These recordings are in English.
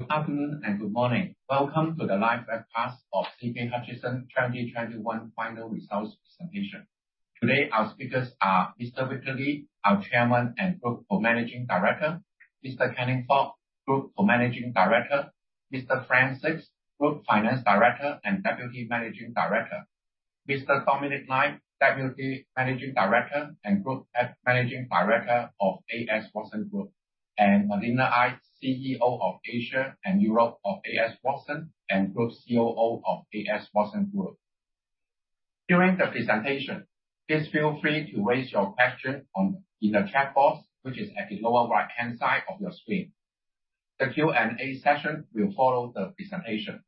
Good afternoon and good morning. Welcome to the live webcast of CK Hutchison 2021 final results presentation. Today our speakers are Mr. Victor Li, our Chairman and Group Co-Managing Director, Mr. Kin Ning Fok, Group Co-Managing Director, Mr. Frank Sixt, Group Finance Director and Deputy Managing Director, Mr. Dominic Lai, Deputy Managing Director and Group Managing Director of A.S. Watson Group, and Malina Ngai, CEO of Asia and Europe of A.S. Watson and Group COO of A.S. Watson Group. During the presentation, please feel free to raise your question in the chat box, which is at the lower right-hand side of your screen. The Q&A session will follow the presentation.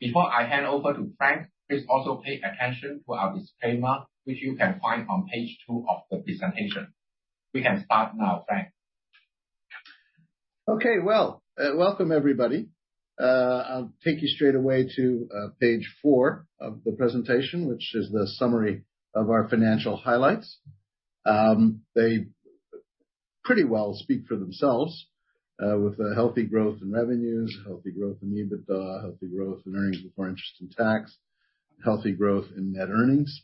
Before I hand over to Frank, please also pay attention to our disclaimer, which you can find on page 2 of the presentation. We can start now, Frank. Well, welcome everybody. I'll take you straight away to page 4 of the presentation, which is the summary of our financial highlights. They pretty well speak for themselves with a healthy growth in revenues, healthy growth in EBITDA, healthy growth in earnings before interest and tax, healthy growth in net earnings.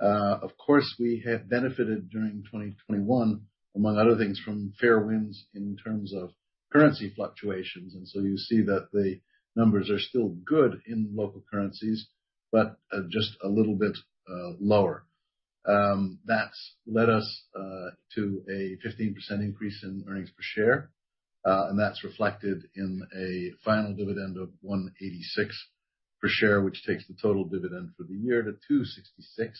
Of course, we have benefited during 2021, among other things, from fair winds in terms of currency fluctuations. You see that the numbers are still good in local currencies, but just a little bit lower. That's led us to a 15% increase in earnings per share, and that's reflected in a final dividend of 1.86 per share, which takes the total dividend for the year to 2.66.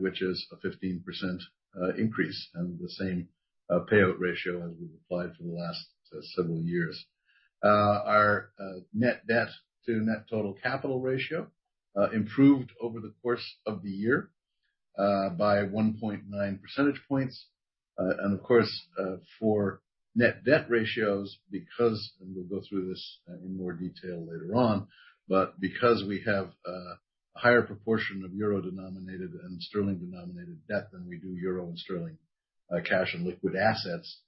Which is a 15% increase and the same payout ratio as we've applied for the last several years. Our net debt to net total capital ratio improved over the course of the year by 1.9 percentage points. Of course, for net debt ratios, because, and we'll go through this in more detail later on. But because we have a higher proportion of euro-denominated and sterling-denominated debt than we do euro and sterling cash and liquid assets,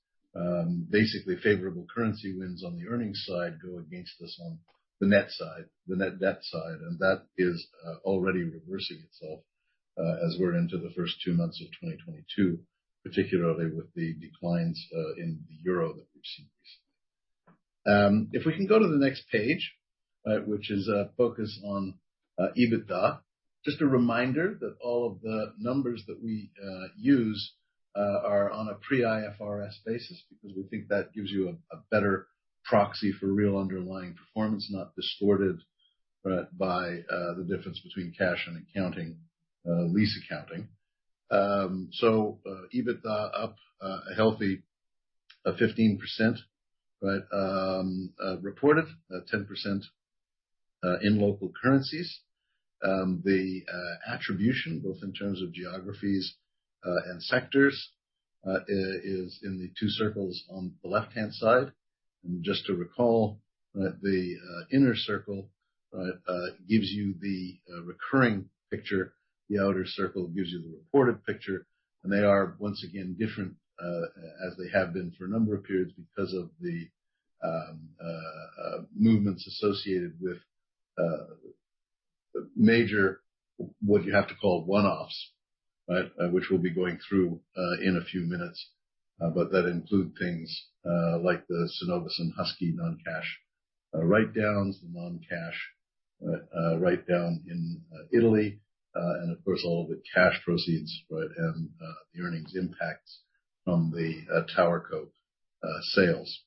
basically favorable currency wins on the earnings side go against us on the net side, the net debt side. That is already reversing itself as we're into the first two months of 2022, particularly with the declines in the euro that we've seen recently. If we can go to the next page, which is focused on EBITDA. Just a reminder that all of the numbers that we use are on a pre-IFRS basis because we think that gives you a better proxy for real underlying performance, not distorted by the difference between cash and lease accounting. EBITDA up a healthy 15%, but reported 10% in local currencies. The attribution, both in terms of geographies and sectors, is in the two circles on the left-hand side. Just to recall that the inner circle gives you the recurring picture, the outer circle gives you the reported picture. They are, once again, different, as they have been for a number of periods because of the movements associated with major, what you have to call one-offs, which we'll be going through in a few minutes, that include things like the Cenovus and Husky non-cash write-downs, the non-cash write-down in Italy, and of course, all the cash proceeds, and the earnings impacts from the TowerCo sales.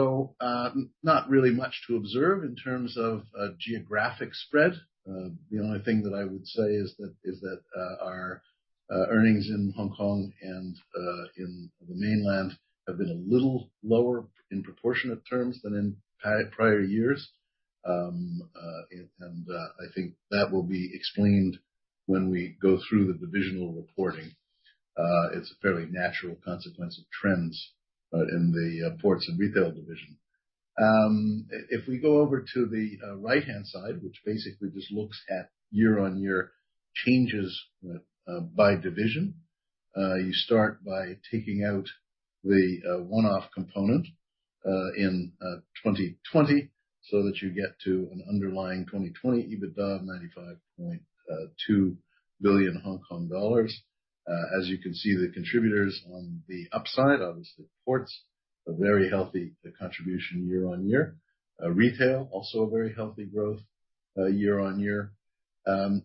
Not really much to observe in terms of geographic spread. The only thing that I would say is that our earnings in Hong Kong and in the Mainland have been a little lower in proportionate terms than in prior years. I think that will be explained when we go through the divisional reporting. It's a fairly natural consequence of trends in the ports and retail division. If we go over to the right-hand side, which basically just looks at year-on-year changes by division. You start by taking out the one-off component in 2020 so that you get to an underlying 2020 EBITDA of 95.2 billion Hong Kong dollars. As you can see, the contributors on the upside, obviously ports, a very healthy contribution year-on-year. Retail, also a very healthy growth year-on-year.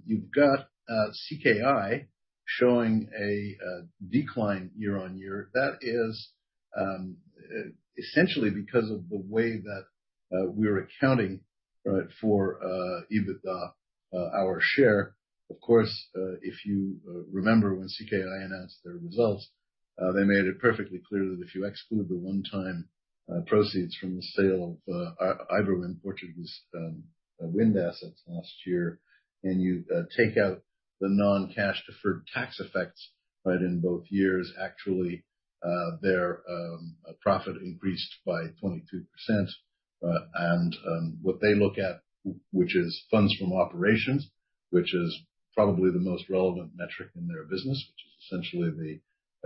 You've got CKI showing a decline year-on-year. That is essentially because of the way that we're accounting for EBITDA, our share. Of course, if you remember when CKI announced their results, they made it perfectly clear that if you exclude the one-time proceeds from the sale of Iberwind, Portuguese wind assets last year, and you take out the non-cash deferred tax effects in both years, actually, their profit increased by 22%. What they look at, which is funds from operations, which is probably the most relevant metric in their business, which is essentially the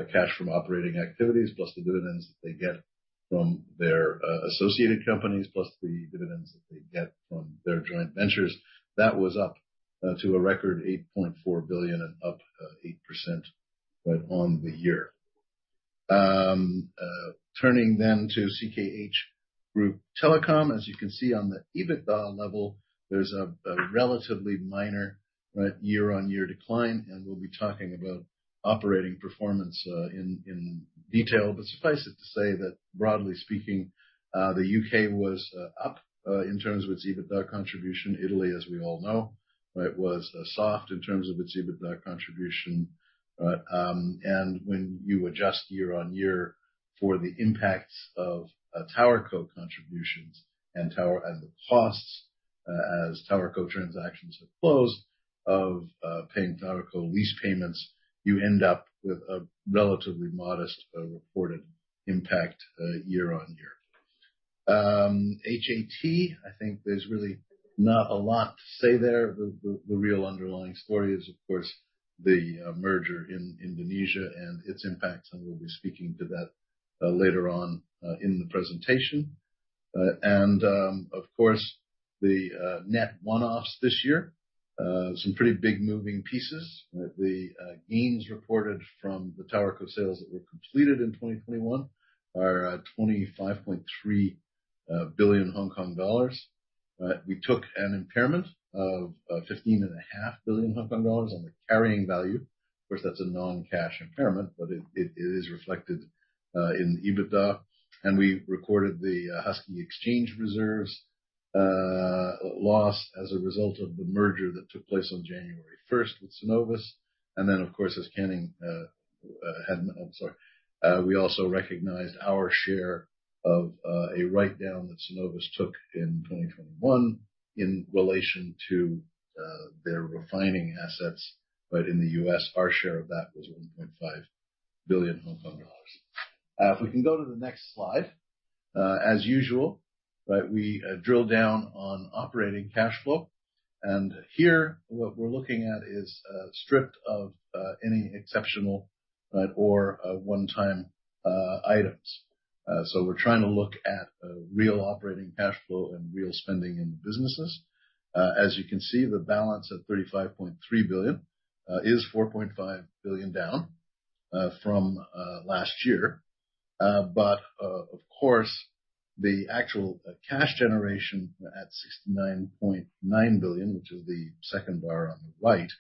cash from operating activities plus the dividends that they get from their associated companies, plus the dividends that they get from their joint ventures. That was up to a record 8.4 billion and up 8% right on the year. Turning then to CKH Group Telecom. As you can see on the EBITDA level, there's a relatively minor year-on-year decline, and we'll be talking about operating performance in detail. Suffice it to say that broadly speaking, the UK was up in terms of its EBITDA contribution. Italy, as we all know, was soft in terms of its EBITDA contribution. When you adjust year-on-year for the impacts of TowerCo contributions and the costs as TowerCo transactions have closed of paying TowerCo lease payments, you end up with a relatively modest reported impact year-on-year. HAT, I think there's really not a lot to say there. The real underlying story is, of course, the merger in Indonesia and its impacts, and we'll be speaking to that later on in the presentation. Of course, the net one-offs this year are some pretty big moving pieces. The gains reported from the TowerCo sales that were completed in 2021 are 25.3 billion Hong Kong dollars. We took an impairment of fifteen and a half billion Hong Kong dollars on the carrying value. Of course, that's a non-cash impairment, but it is reflected in EBITDA, and we recorded the Husky exchange reserves loss as a result of the merger that took place on January 1st with Cenovus. We also recognized our share of a write-down that Cenovus took in 2021 in relation to their refining assets. In the U.S., our share of that was 1.5 billion Hong Kong dollars. If we can go to the next slide. As usual, we drill down on operating cash flow. Here what we're looking at is stripped of any exceptional or one-time items. We're trying to look at real operating cash flow and real spending in the businesses. As you can see, the balance of 35.3 billion is 4.5 billion down from last year. Of course, the actual cash generation at 69.9 billion, which is the second bar on the right,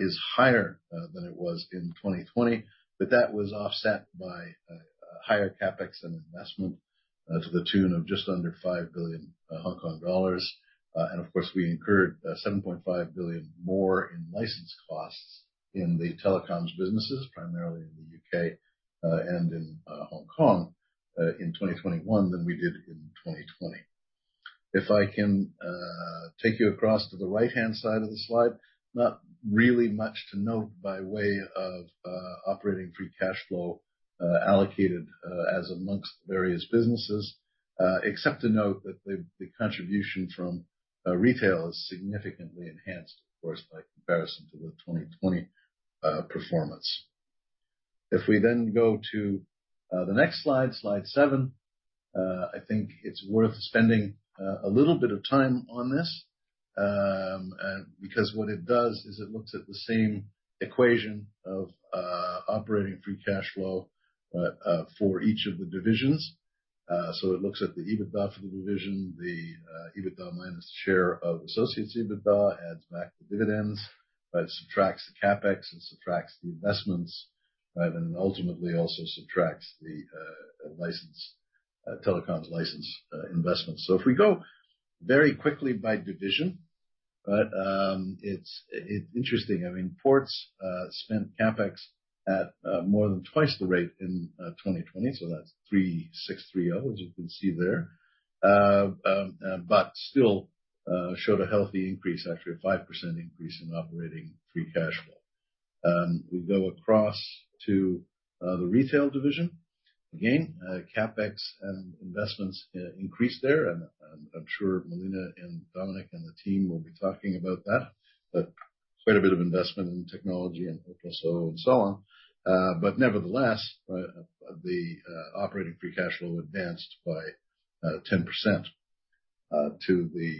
is higher than it was in 2020, but that was offset by higher CapEx and investment to the tune of just under 5 billion Hong Kong dollars. Of course, we incurred 7.5 billion more in license costs in the telecoms businesses, primarily in the U.K. and in Hong Kong in 2021 than we did in 2020. If I can take you across to the right-hand side of the slide. Not really much to note by way of operating free cash flow allocated as among the various businesses, except to note that the contribution from retail is significantly enhanced, of course, by comparison to the 2020 performance. If we go to the next slide, Slide 7. I think it's worth spending a little bit of time on this, because what it does is it looks at the same equation of operating free cash flow for each of the divisions. It looks at the EBITDA for the division. The EBITDA minus share of associates EBITDA adds back the dividends, but it subtracts the CapEx, it subtracts the investments, and ultimately also subtracts the telecom license investments. If we go very quickly by division, it is interesting. Ports spent CapEx at more than twice the rate in 2020, that's 3,630, as you can see there. It showed a healthy increase, actually a 5% increase in operating free cash flow. We go across to the retail division. Again, CapEx and investments increased there. I am sure Malina and Dominic and the team will be talking about that. Quite a bit of investment in technology and so on and so on. Nevertheless, the operating free cash flow advanced by 10% to the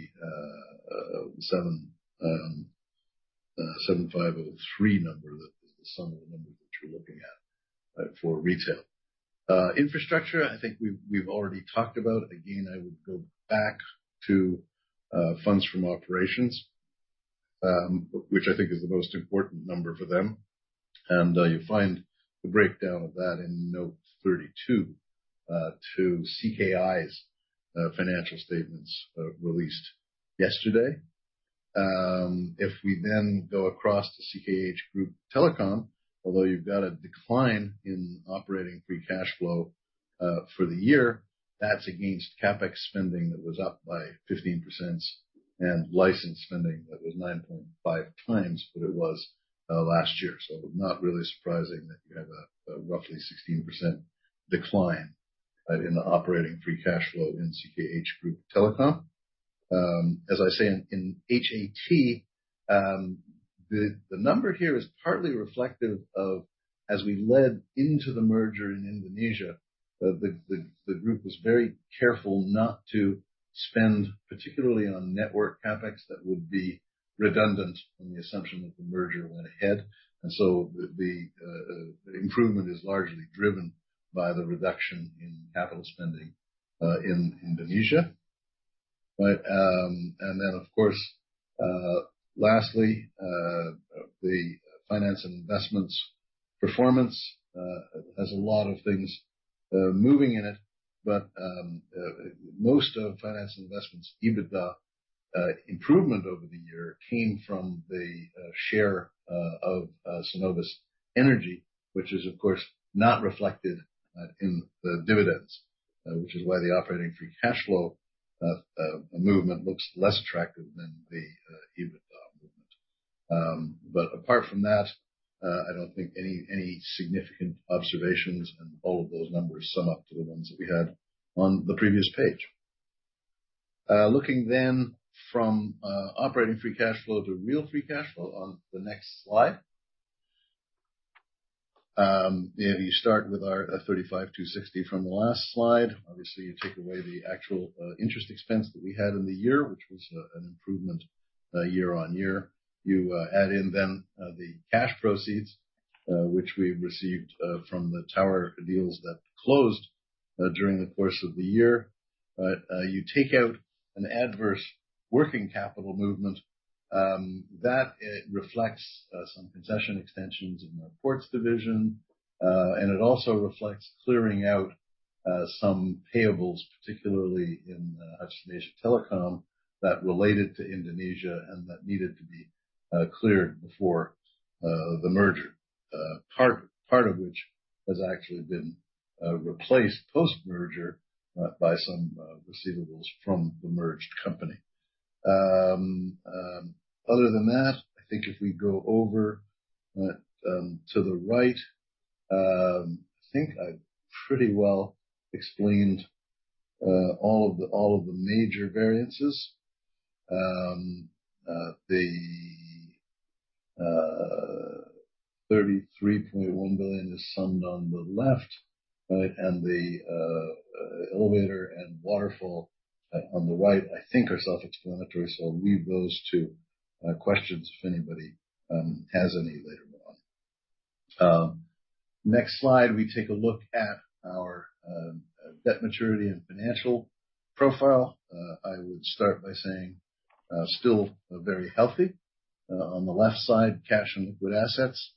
7,753 number. That is the sum of the numbers which we're looking at for retail. Infrastructure, I think we've already talked about. Again, I would go back to funds from operations, which I think is the most important number for them. You'll find the breakdown of that in note 32 to CKI's financial statements released yesterday. If we then go across to CK Hutchison Group Telecom, although you've got a decline in operating free cash flow for the year, that's against CapEx spending that was up by 15% and license spending that was 9.5 times what it was last year. Not really surprising that you have a roughly 16% decline in the operating free cash flow in CK Hutchison Group Telecom. As I say in HAT, the number here is partly reflective of as we led into the merger in Indonesia, the group was very careful not to spend particularly on network CapEx that would be redundant on the assumption that the merger went ahead. The improvement is largely driven by the reduction in capital spending in Indonesia. Of course, lastly, the finance and investments performance has a lot of things moving in it, but most of finance and investments EBITDA improvement over the year came from the share of Cenovus Energy, which is of course not reflected in the dividends, which is why the operating free cash flow movement looks less attractive than the EBITDA movement. But apart from that, I don't think any significant observations and all of those numbers sum up to the ones that we had on the previous page. Looking from operating free cash flow to real free cash flow on the next slide. Yes, you start with our 35-60 from the last slide. Obviously, you take away the actual interest expense that we had in the year, which was an improvement year on year. You add in then the cash proceeds which we received from the Tower deals that closed during the course of the year. You take out an adverse working capital movement that reflects some concession extensions in the Ports division, and it also reflects clearing out some payables, particularly in Hutchison Asia Telecom, that related to Indonesia and that needed to be cleared before the merger. Part of which has actually been replaced post-merger by some receivables from the merged company. Other than that, I think if we go over to the right, I think I pretty well explained all of the major variances. The 33.1 billion is summed on the left, right, and the elevator and waterfall on the right I think are self-explanatory, so I'll leave those to questions if anybody has any later on. Next slide, we take a look at our debt maturity and financial profile. I would start by saying still very healthy. On the left side, cash and liquid assets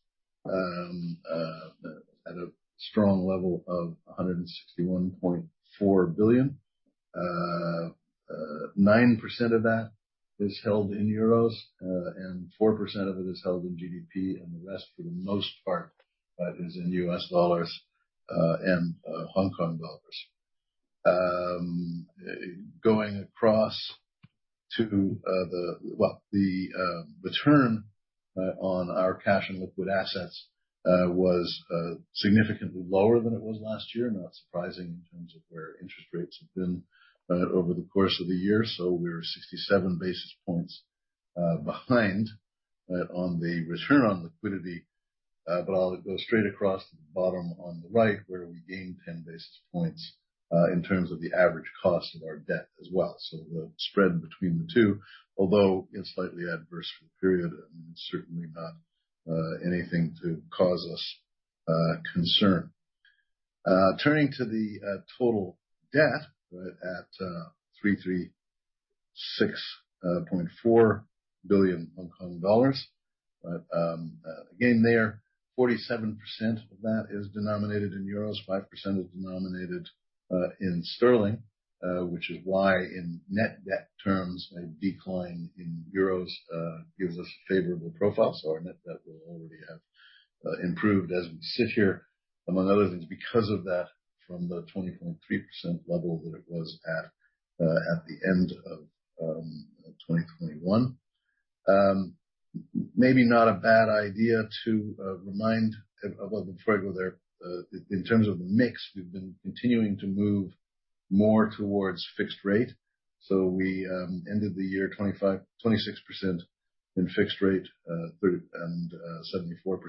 at a strong level of 161.4 billion. 9% of that is held in euros, and 4% of it is held in GBP, and the rest, for the most part, is in US dollars, and Hong Kong dollars. Going across to the return on our cash and liquid assets was significantly lower than it was last year. Not surprising in terms of where interest rates have been over the course of the year. We're 67 basis points behind on the return on liquidity. But I'll go straight across to the bottom on the right, where we gain 10 basis points in terms of the average cost of our debt as well. The spread between the two, although in slightly adverse period, and certainly not anything to cause us concern. Turning to the total debt at 336.4 billion Hong Kong dollars. Again, 47% of that is denominated in euros, 5% is denominated in sterling, which is why in net debt terms, a decline in euros gives us favorable profile. Our net debt will already have improved as we sit here, among other things, because of that from the 20.3% level that it was at at the end of 2021. Maybe not a bad idea to remind, before I go there, in terms of the mix, we've been continuing to move more towards fixed rate. We ended the year 26% in fixed rate and 74%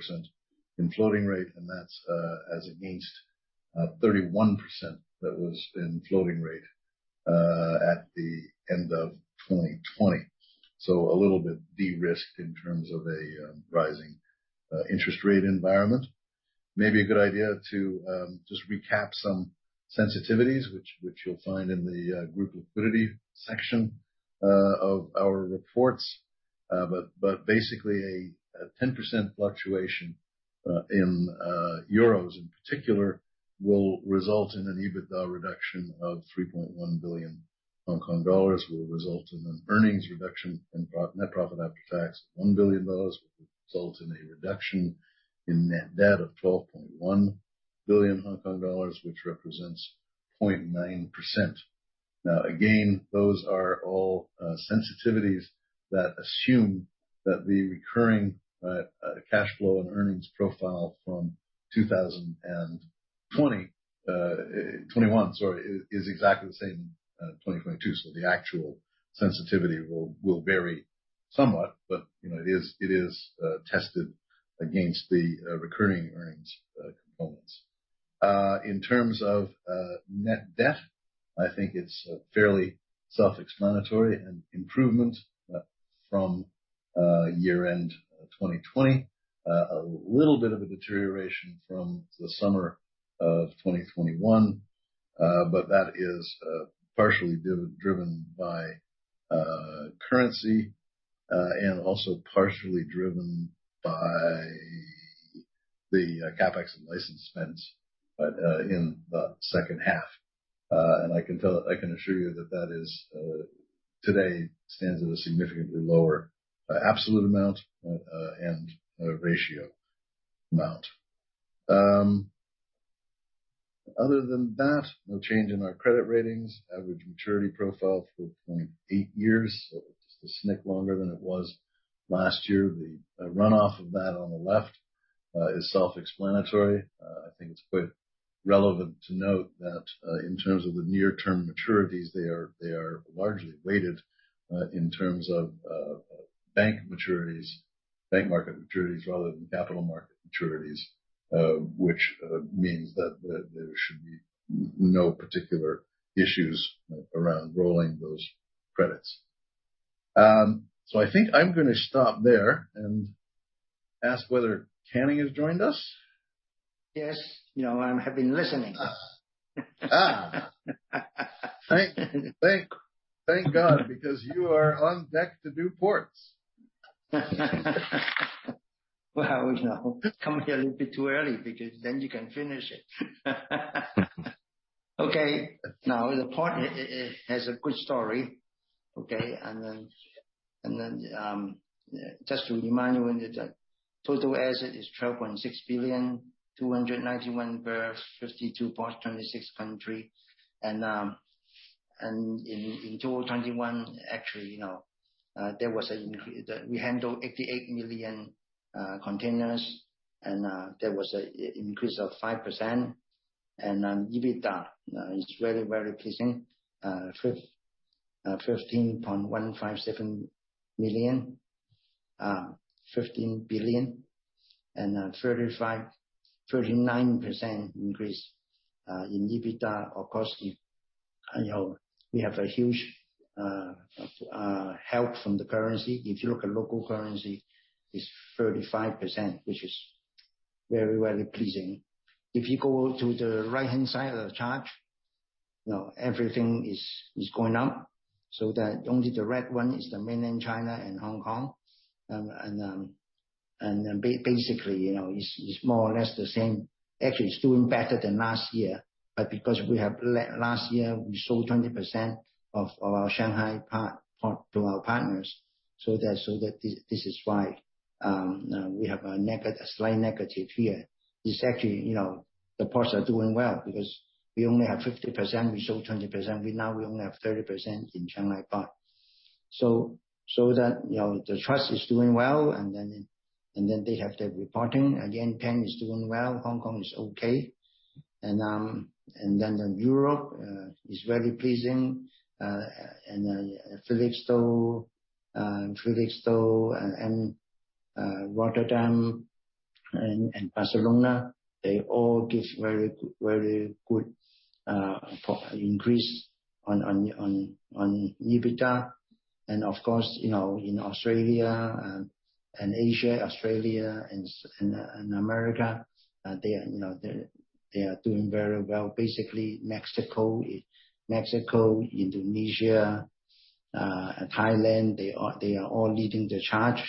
in floating rate, and that's as against 31% that was in floating rate at the end of 2020. A little bit de-risked in terms of a rising interest rate environment. Maybe a good idea to just recap some sensitivities which you'll find in the group liquidity section of our reports. Basically, a 10% fluctuation in euros in particular will result in an EBITDA reduction of 3.1 billion Hong Kong dollars, will result in an earnings reduction in net profit after tax, 1 billion dollars, will result in a reduction in net debt of 12.1 billion Hong Kong dollars, which represents 0.9%. Now again, those are all sensitivities that assume that the recurring cash flow and earnings profile from 2021 is exactly the same in 2022. The actual sensitivity will vary somewhat, but it is tested against the recurring earnings components. In terms of net debt, I think it's fairly self-explanatory. An improvement from year-end 2020. A little bit of a deterioration from the summer of 2021. That is partially driven by currency and also partially driven by the CapEx and license spends in the second half. I can assure you that today stands at a significantly lower absolute amount and ratio amount. Other than that, no change in our credit ratings. Average maturity profile, 4.8 years. Just a smidge longer than it was last year. The runoff of that on the left is self-explanatory. I think it's quite relevant to note that in terms of the near term maturities, they are largely weighted in terms of bank maturities, bank market maturities rather than capital market maturities. Which means that there should be no particular issues around rolling those credits. I think I'm going to stop there and ask whether Kin Ning has joined us. Yes. I have been listening. Thank God, because you are on deck to do ports. Well, come here a bit too early because then you can finish it. Now the port has a good story. Just to remind you, the total assets are HKD 12.6 billion, 291 versus 52.26 countries. In 2021, actually, we handled 88 million containers, and there was an increase of 5%. EBITDA is very, very pleasing. 15.157 billion. 39% increase in EBITDA of course, we have a huge help from the currency. If you look at local currency, it's 35%, which is very, very pleasing. If you go to the right-hand side of the chart, everything is going up, so that only the red one is the Mainland China and Hong Kong. Basically, it's more or less the same. Actually, it's doing better than last year. Because last year, we sold 20% of our Shanghai port to our partners, so this is why we have a slight negative here. It's actually, the ports are doing well because we only have 50%, we sold 20%. We now only have 30% in Shanghai port. The trust is doing well. Then they have the reporting. Again, Yantian is doing well, Hong Kong is okay. Then Europe is very pleasing. Felixstowe and Rotterdam and Barcelona, they all give very good increase on EBITDA. Of course, in Australia and Asia, Australia and America, they are doing very well. Basically, Mexico, Indonesia, and Thailand, they are all leading the charge.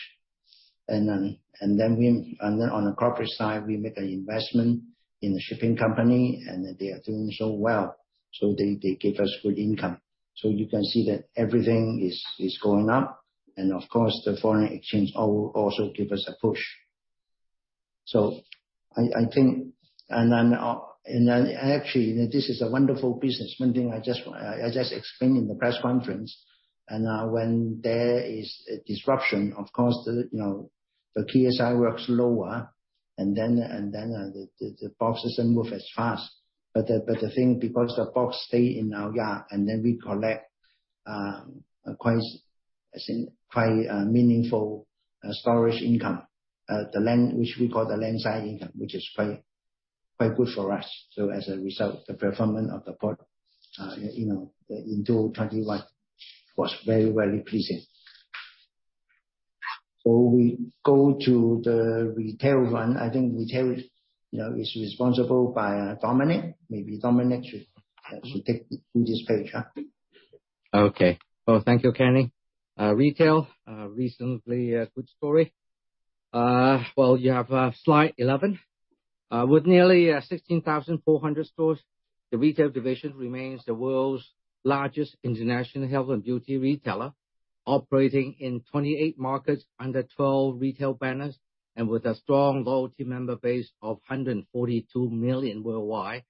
Then on the corporate side, we make an investment in the shipping company, and they are doing so well, so they give us good income. You can see that everything is going up. Of course, the foreign exchange also give us a push. I think actually, this is a wonderful business. One thing I just explained in the press conference. When there is a disruption, of course, the TSI works lower, and then the boxes don't move as fast. But the thing, because the box stay in our yard, and then we collect a quite meaningful storage income, the land which we call the land side income, which is quite good for us. As a result, the performance of the port in 2021 was very pleasing. We go to the retail one. I think retail is responsible by Dominic. Maybe Dominic should take through this page. Okay. Well, thank you, Kin Ning. Retail, recently a good story. Well, you have Slide 11. With nearly 16,400 stores, the retail division remains the world's largest international health and beauty retailer. Operating in 28 markets under 12 retail banners and with a strong loyalty member base of 142 million worldwide,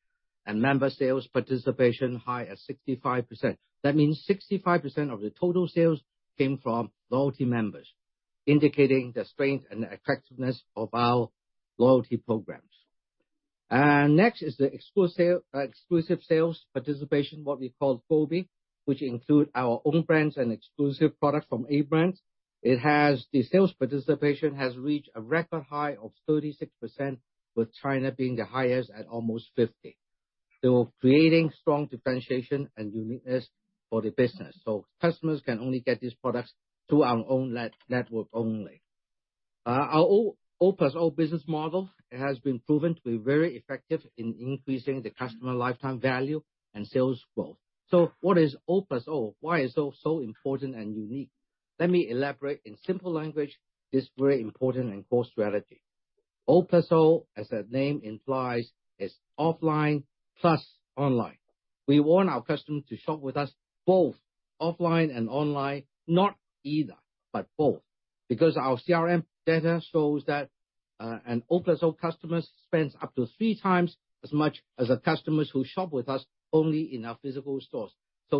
and member sales participation high at 65%. That means 65% of the total sales came from loyalty members, indicating the strength and effectiveness of our loyalty programs. Next is the exclusive sales participation, what we call FOBE, which include our own brands and exclusive products from A-brands. It has the sales participation has reached a record high of 36%, with China being the highest at almost 50%. Creating strong differentiation and uniqueness for the business. Customers can only get these products through our own network only. Our O+O business model has been proven to be very effective in increasing the customer lifetime value and sales growth. What is O+O? Why is O so important and unique? Let me elaborate in simple language, this very important and core strategy. O+O, as the name implies, is offline plus online. We want our customers to shop with us both offline and online. Not either, but both. Because our CRM data shows that an O+O customer spends up to three times as much as customers who shop with us only in our physical stores.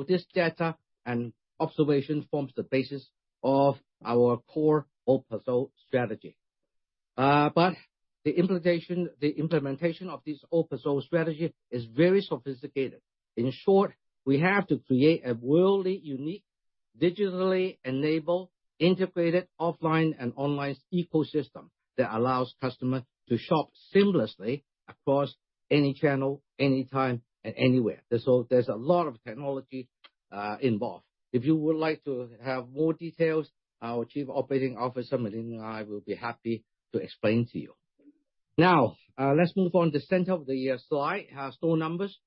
This data and observation forms the basis of our core O+O strategy. The implementation of this O+O strategy is very sophisticated. In short, we have to create a worldly unique, digitally enabled, integrated offline and online ecosystem that allows customers to shop seamlessly across any channel, anytime and anywhere. There's a lot of technology involved. If you would like to have more details, our Chief Operating Officer, Malina Ngai, will be happy to explain to you. Now, let's move to the center of the slide. Store numbers.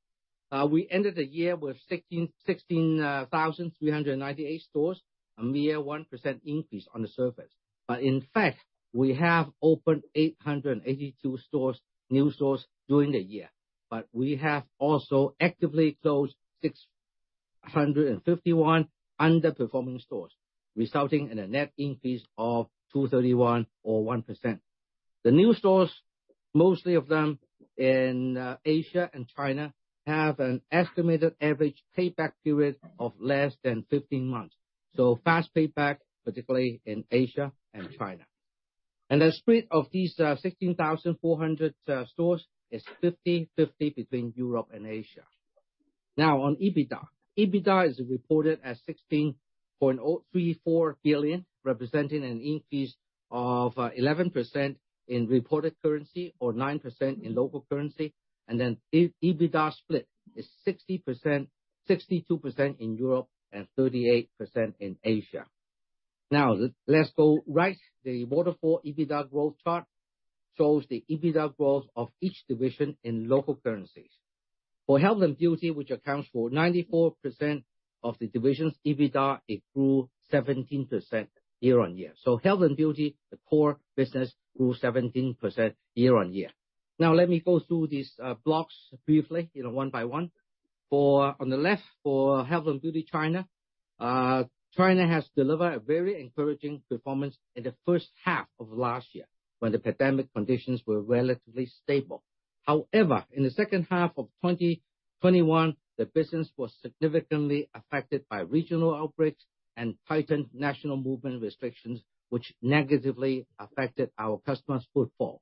We ended the year with 16,398 stores, a mere 1% increase on the surface. In fact, we have opened 882 new stores during the year. We have also actively closed 651 underperforming stores, resulting in a net increase of 231 or 1%. The new stores, most of them in Asia and China, have an estimated average payback period of less than 15 months. Fast payback, particularly in Asia and China. The split of these 16,400 stores is 50/50 between Europe and Asia. Now on EBITDA. EBITDA is reported at 16.034 billion, representing an increase of 11% in reported currency or 9% in local currency. Then EBITDA split is 60%, 62% in Europe and 38% in Asia. Now let's go right. The waterfall EBITDA growth chart shows the EBITDA growth of each division in local currencies. For Health and Beauty, which accounts for 94% of the division's EBITDA, it grew 17% year-on-year. Health and Beauty, the core business, grew 17% year-on-year. Now, let me go through these blocks briefly, one by one. On the left, for Health and Beauty China. China has delivered a very encouraging performance in the first half of last year, when the pandemic conditions were relatively stable. However, in the second half of 2021, the business was significantly affected by regional outbreaks and tightened national movement restrictions, which negatively affected our customers' footfall.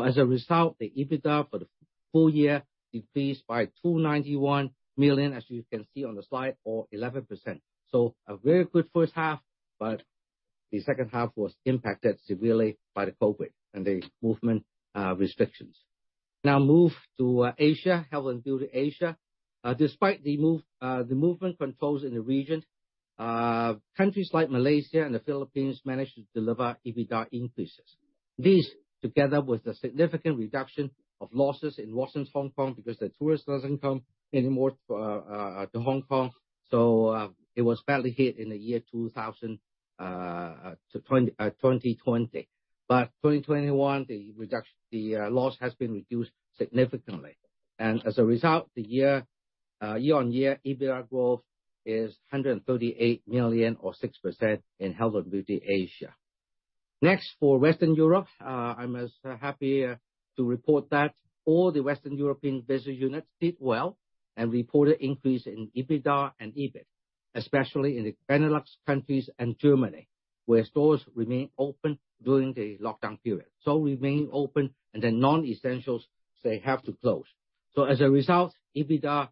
As a result, the EBITDA for the full year decreased by 291 million, as you can see on the slide, or 11%. A very good first half, but the second half was impacted severely by the COVID and the movement restrictions. Now move to Asia, Health and Beauty Asia. Despite the movement controls in the region, countries like Malaysia and the Philippines managed to deliver EBITDA increases. This together with the significant reduction of losses in Watson, Hong Kong, because the tourists doesn't come anymore to Hong Kong. It was badly hit in the year 2020. 2021, the loss has been reduced significantly. As a result, the year-on-year EBITDA growth is 138 million or 6% in Health and Beauty Asia. Next, for Western Europe, I'm happy to report that all the Western European business units did well and reported increase in EBITDA and EBIT, especially in the Benelux countries and Germany, where stores remain open during the lockdown period and the non-essentials, they have to close. As a result, EBITDA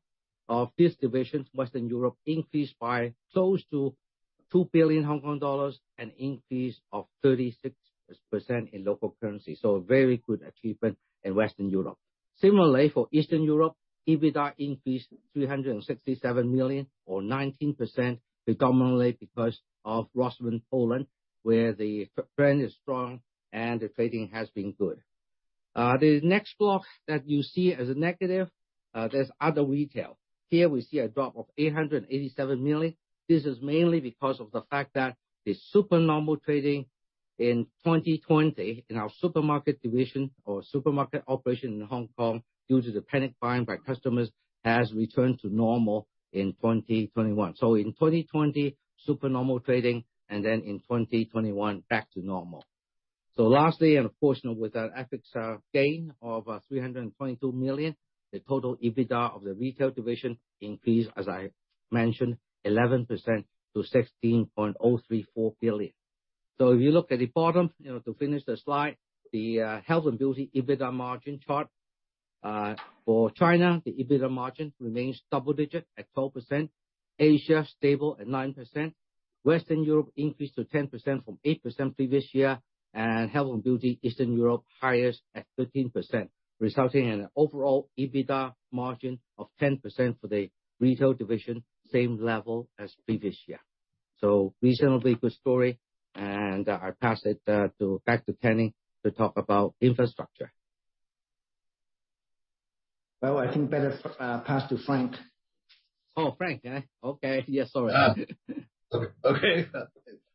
of this division, Western Europe, increased by close to 2 billion Hong Kong dollars, an increase of 36% in local currency. A very good achievement in Western Europe. Similarly, for Eastern Europe, EBITDA increased 367 million or 19%, predominantly because of Rossmann Poland, where the brand is strong and the trading has been good. The next block that you see as a negative, there is other retail. Here we see a drop of 887 million. This is mainly because of the fact that the supernormal trading In 2020, in our supermarket division or supermarket operation in Hong Kong, due to the panic buying by customers, has returned to normal in 2021. In 2020, supernormal trading, and then in 2021, back to normal. Lastly, and of course, with our FX gain of 322 million, the total EBITDA of the retail division increased, as I mentioned, 11% to 16.034 billion. If you look at the bottom to finish the slide, the health and beauty EBITDA margin chart. For China, the EBITDA margin remains double digit at 12%. Asia, stable at 9%. Western Europe increased to 10% from 8% previous year. Health and beauty, Eastern Europe, highest at 13%, resulting in an overall EBITDA margin of 10% for the retail division, same level as previous year. Reasonably good story. I pass it back to Kin Ning to talk about infrastructure. Well, I think it's better to pass to Frank. Frank? Okay. Sorry. Okay.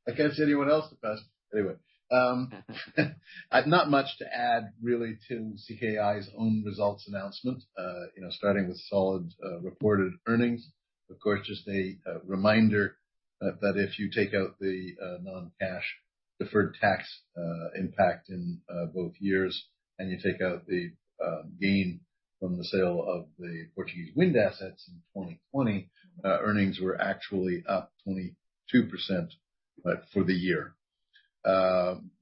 I can't see anyone else to pass to. Anyway, I've not much to add really to CKI's own results announcement. Starting with solid reported earnings. Of course, just a reminder that if you take out the non-cash deferred tax impact in both years, and you take out the gain from the sale of the Portuguese wind assets in 2020, earnings were actually up 22% for the year.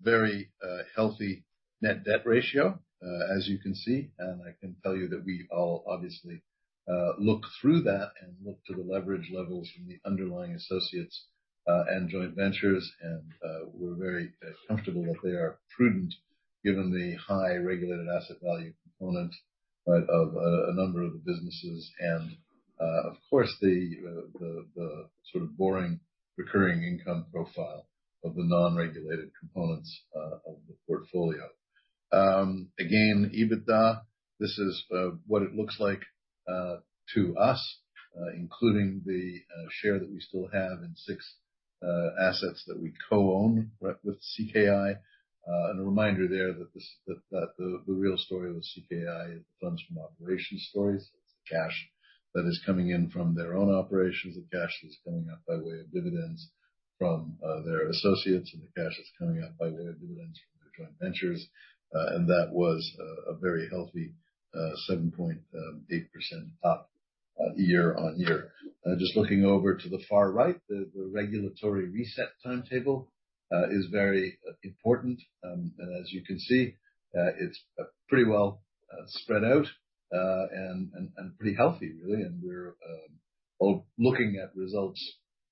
Very healthy net debt ratio, as you can see. I can tell you that we all obviously look through that and look to the leverage levels from the underlying associates and joint ventures. We're very comfortable that they are prudent given the high regulated asset value component of a number of the businesses and, of course, the boring recurring income profile of the non-regulated components of the portfolio. Again, EBITDA, this is what it looks like to us, including the share that we still have in six assets that we co-own with CKI. A reminder there that the real story with CKI is the funds from operations story. It's the cash that is coming in from their own operations, the cash that's coming out by way of dividends from their associates and the cash that's coming out by way of dividends from their joint ventures. That was a very healthy 7.8% up year-on-year. Just looking over to the far right, the regulatory reset timetable is very important. As you can see, it's pretty well spread out and pretty healthy really. We're all looking at results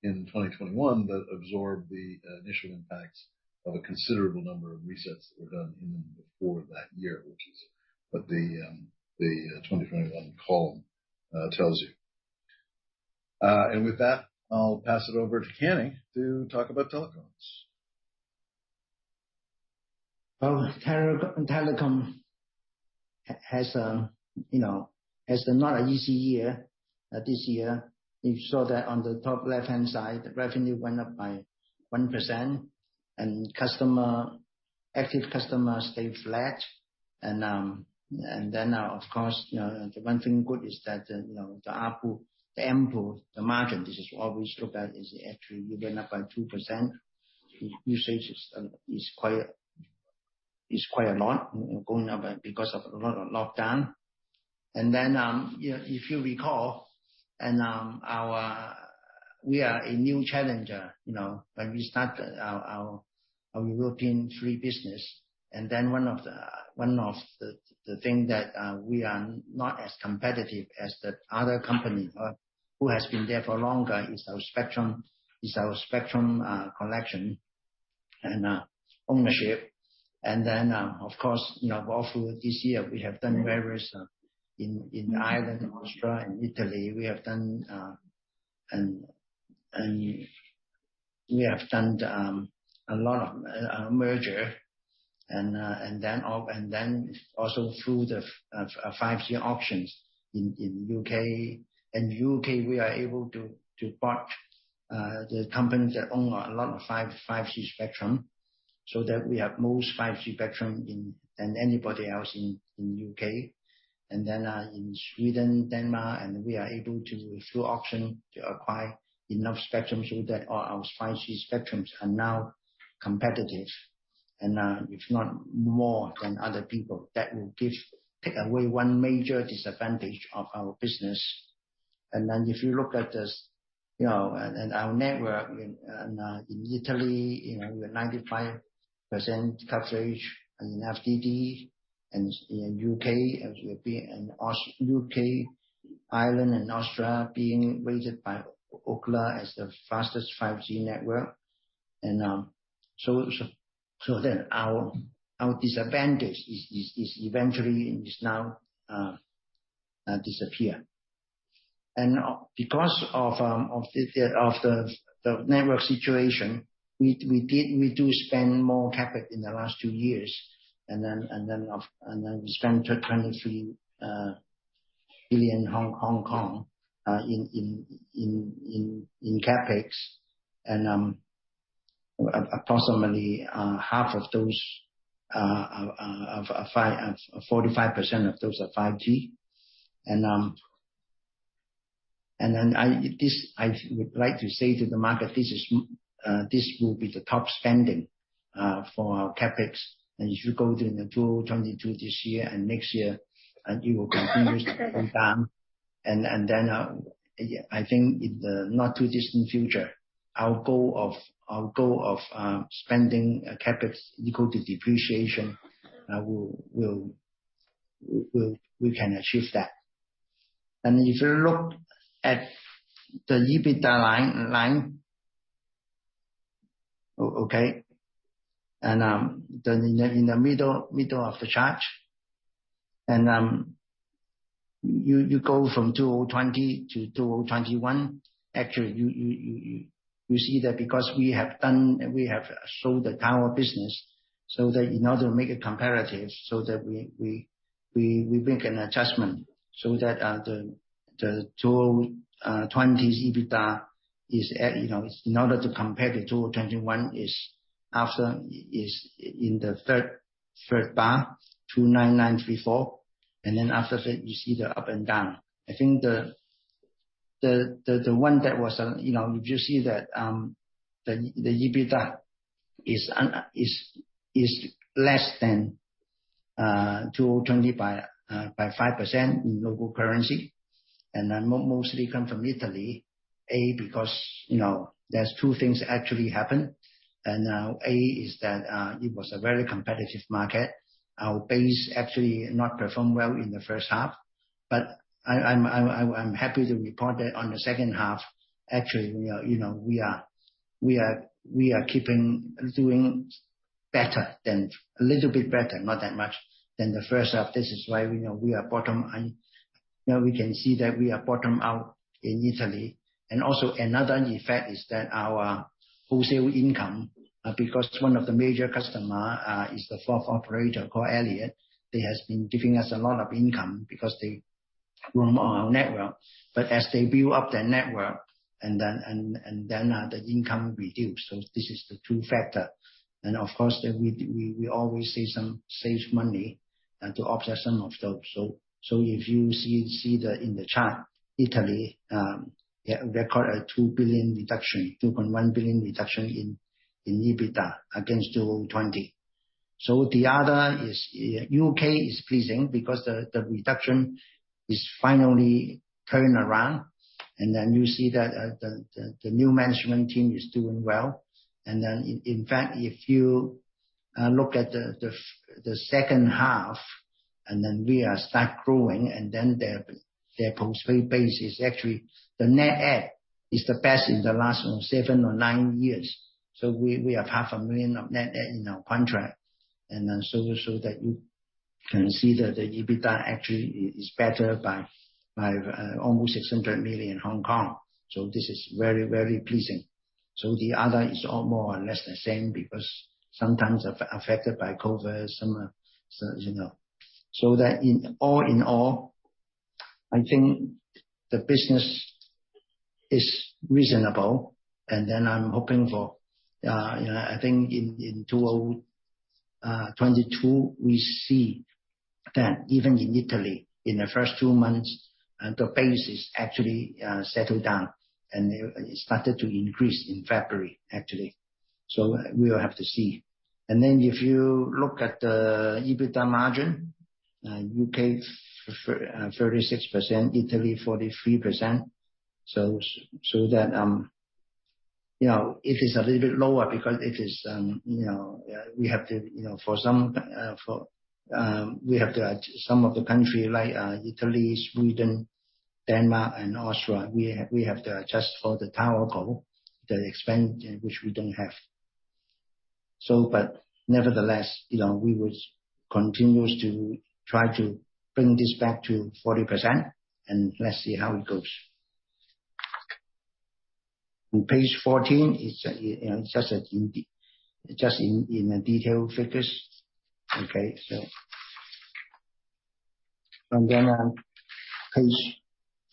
in 2021 that absorb the initial impacts of a considerable number of resets that were done in and before that year, which is what the 2021 column tells you. With that, I'll pass it over to Kin Ning to talk about telecoms. Well, telecom has not an easy year this year. You saw that on the top left-hand side, the revenue went up by 1% and active customers stayed flat. Now of course, the one thing good is that, the ARPU, the margin, this is what we look at, actually went up by 2%. The usage is quite a lot going up because of a lot of lockdown. If you recall, we are a new challenger, when we start our European 3 business. One of the things that we are not as competitive as the other company or who has been there for longer is our spectrum collection and ownership. Of course, all through this year we have done various in Ireland, Austria, and Italy, and a lot of mergers, and then also through the 5G auctions in the U.K. In the U.K. we are able to buy the companies that own a lot of 5G spectrum, so that we have the most 5G spectrum than anybody else in the U.K. In Sweden, Denmark, and we are able, through auction, to acquire enough spectrum so that all our 5G spectrums are now competitive and, if not more than other people. That will take away one major disadvantage of our business. If you look at this, and our network in Italy with 95% coverage in FDD and in U.K., as we have been in U.K., Ireland and Austria being rated by Ookla as the fastest 5G network. So then our disadvantage is eventually now disappear. Because of the network situation, we do spend more CapEx in the last two years. We spent HKD 23 billion in CapEx. Approximately 45% of those are 5G. I would like to say to the market, this will be the top spending for our CapEx. If you go to 2022 this year and next year, you will continue to move down. I think in the not too distant future, our goal of spending CapEx equal to depreciation, we can achieve that. If you look at the EBITDA line. Okay? Then in the middle of the chart. You go from 2020 to 2021. Actually you see that because we have sold the Tower business so that in order to make it comparative so that we make an adjustment. The 2020's EBITDA, in order to compare the 2021 is in the third bar, 2993.4. Then after that you see the up and down. I think the one that was, you just see that the EBITDA is less than 2020 by 5% in local currency, and mostly come from Italy because there's two things actually that happened. It was a very competitive market. Our base actually did not perform well in the first half. I'm happy to report that in the second half, actually, we are doing a little bit better, not that much, than the first half. This is why we know we are bottom. We can see that we are bottom out in Italy. Another effect is that our wholesale income, because one of the major customer is the fourth operator called Iliad, they have been giving us a lot of income because they roam on our network. But as they build up their network and then the income reduces. So this is the two factors. Of course, we d We always save some money to offset some of those. If you see the one in the chart, Italy recorded a 2 billion reduction, 2.1 billion reduction in EBITDA against 2020. The other is UK is pleasing because the reduction is finally turning around. You see that the new management team is doing well. In fact, if you look at the second half, we starting to grow, their post-pay base is actually the net add is the best in the last seven or nine years. We have half a million of net add in our contract. that you can see that the EBITDA actually is better by almost 600 million. This is very pleasing. The other is all more or less the same because sometimes affected by COVID. All in all, I think the business is reasonable. I think in 2022, we see that even in Italy, in the first two months, the base is actually settled down, and it started to increase in February, actually. We'll have to see. If you look at the EBITDA margin, UK 36%, Italy 43%. It is a little bit lower because for some, we have to add some of the countries like Italy, Sweden, Denmark and Austria, we have to adjust for the TowerCo, the expense which we don't have. But nevertheless, we would continue to try to bring this back to 40% and let's see how it goes. On page 14, just in the detailed figures. Page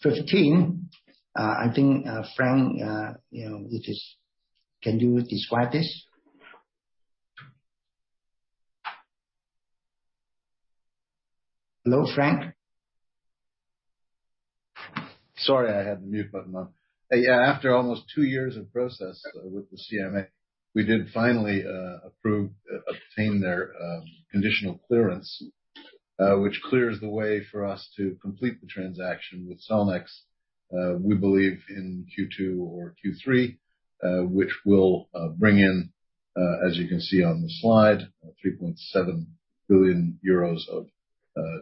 15, I think, Frank, can you describe this? Hello, Frank? Sorry, I had the mute button on. After almost two years of process with the CMA, we did finally obtain their conditional clearance, which clears the way for us to complete the transaction with Cellnex. We believe in Q2 or Q3. Which will bring in, as you can see on the slide, 3.7 billion euros of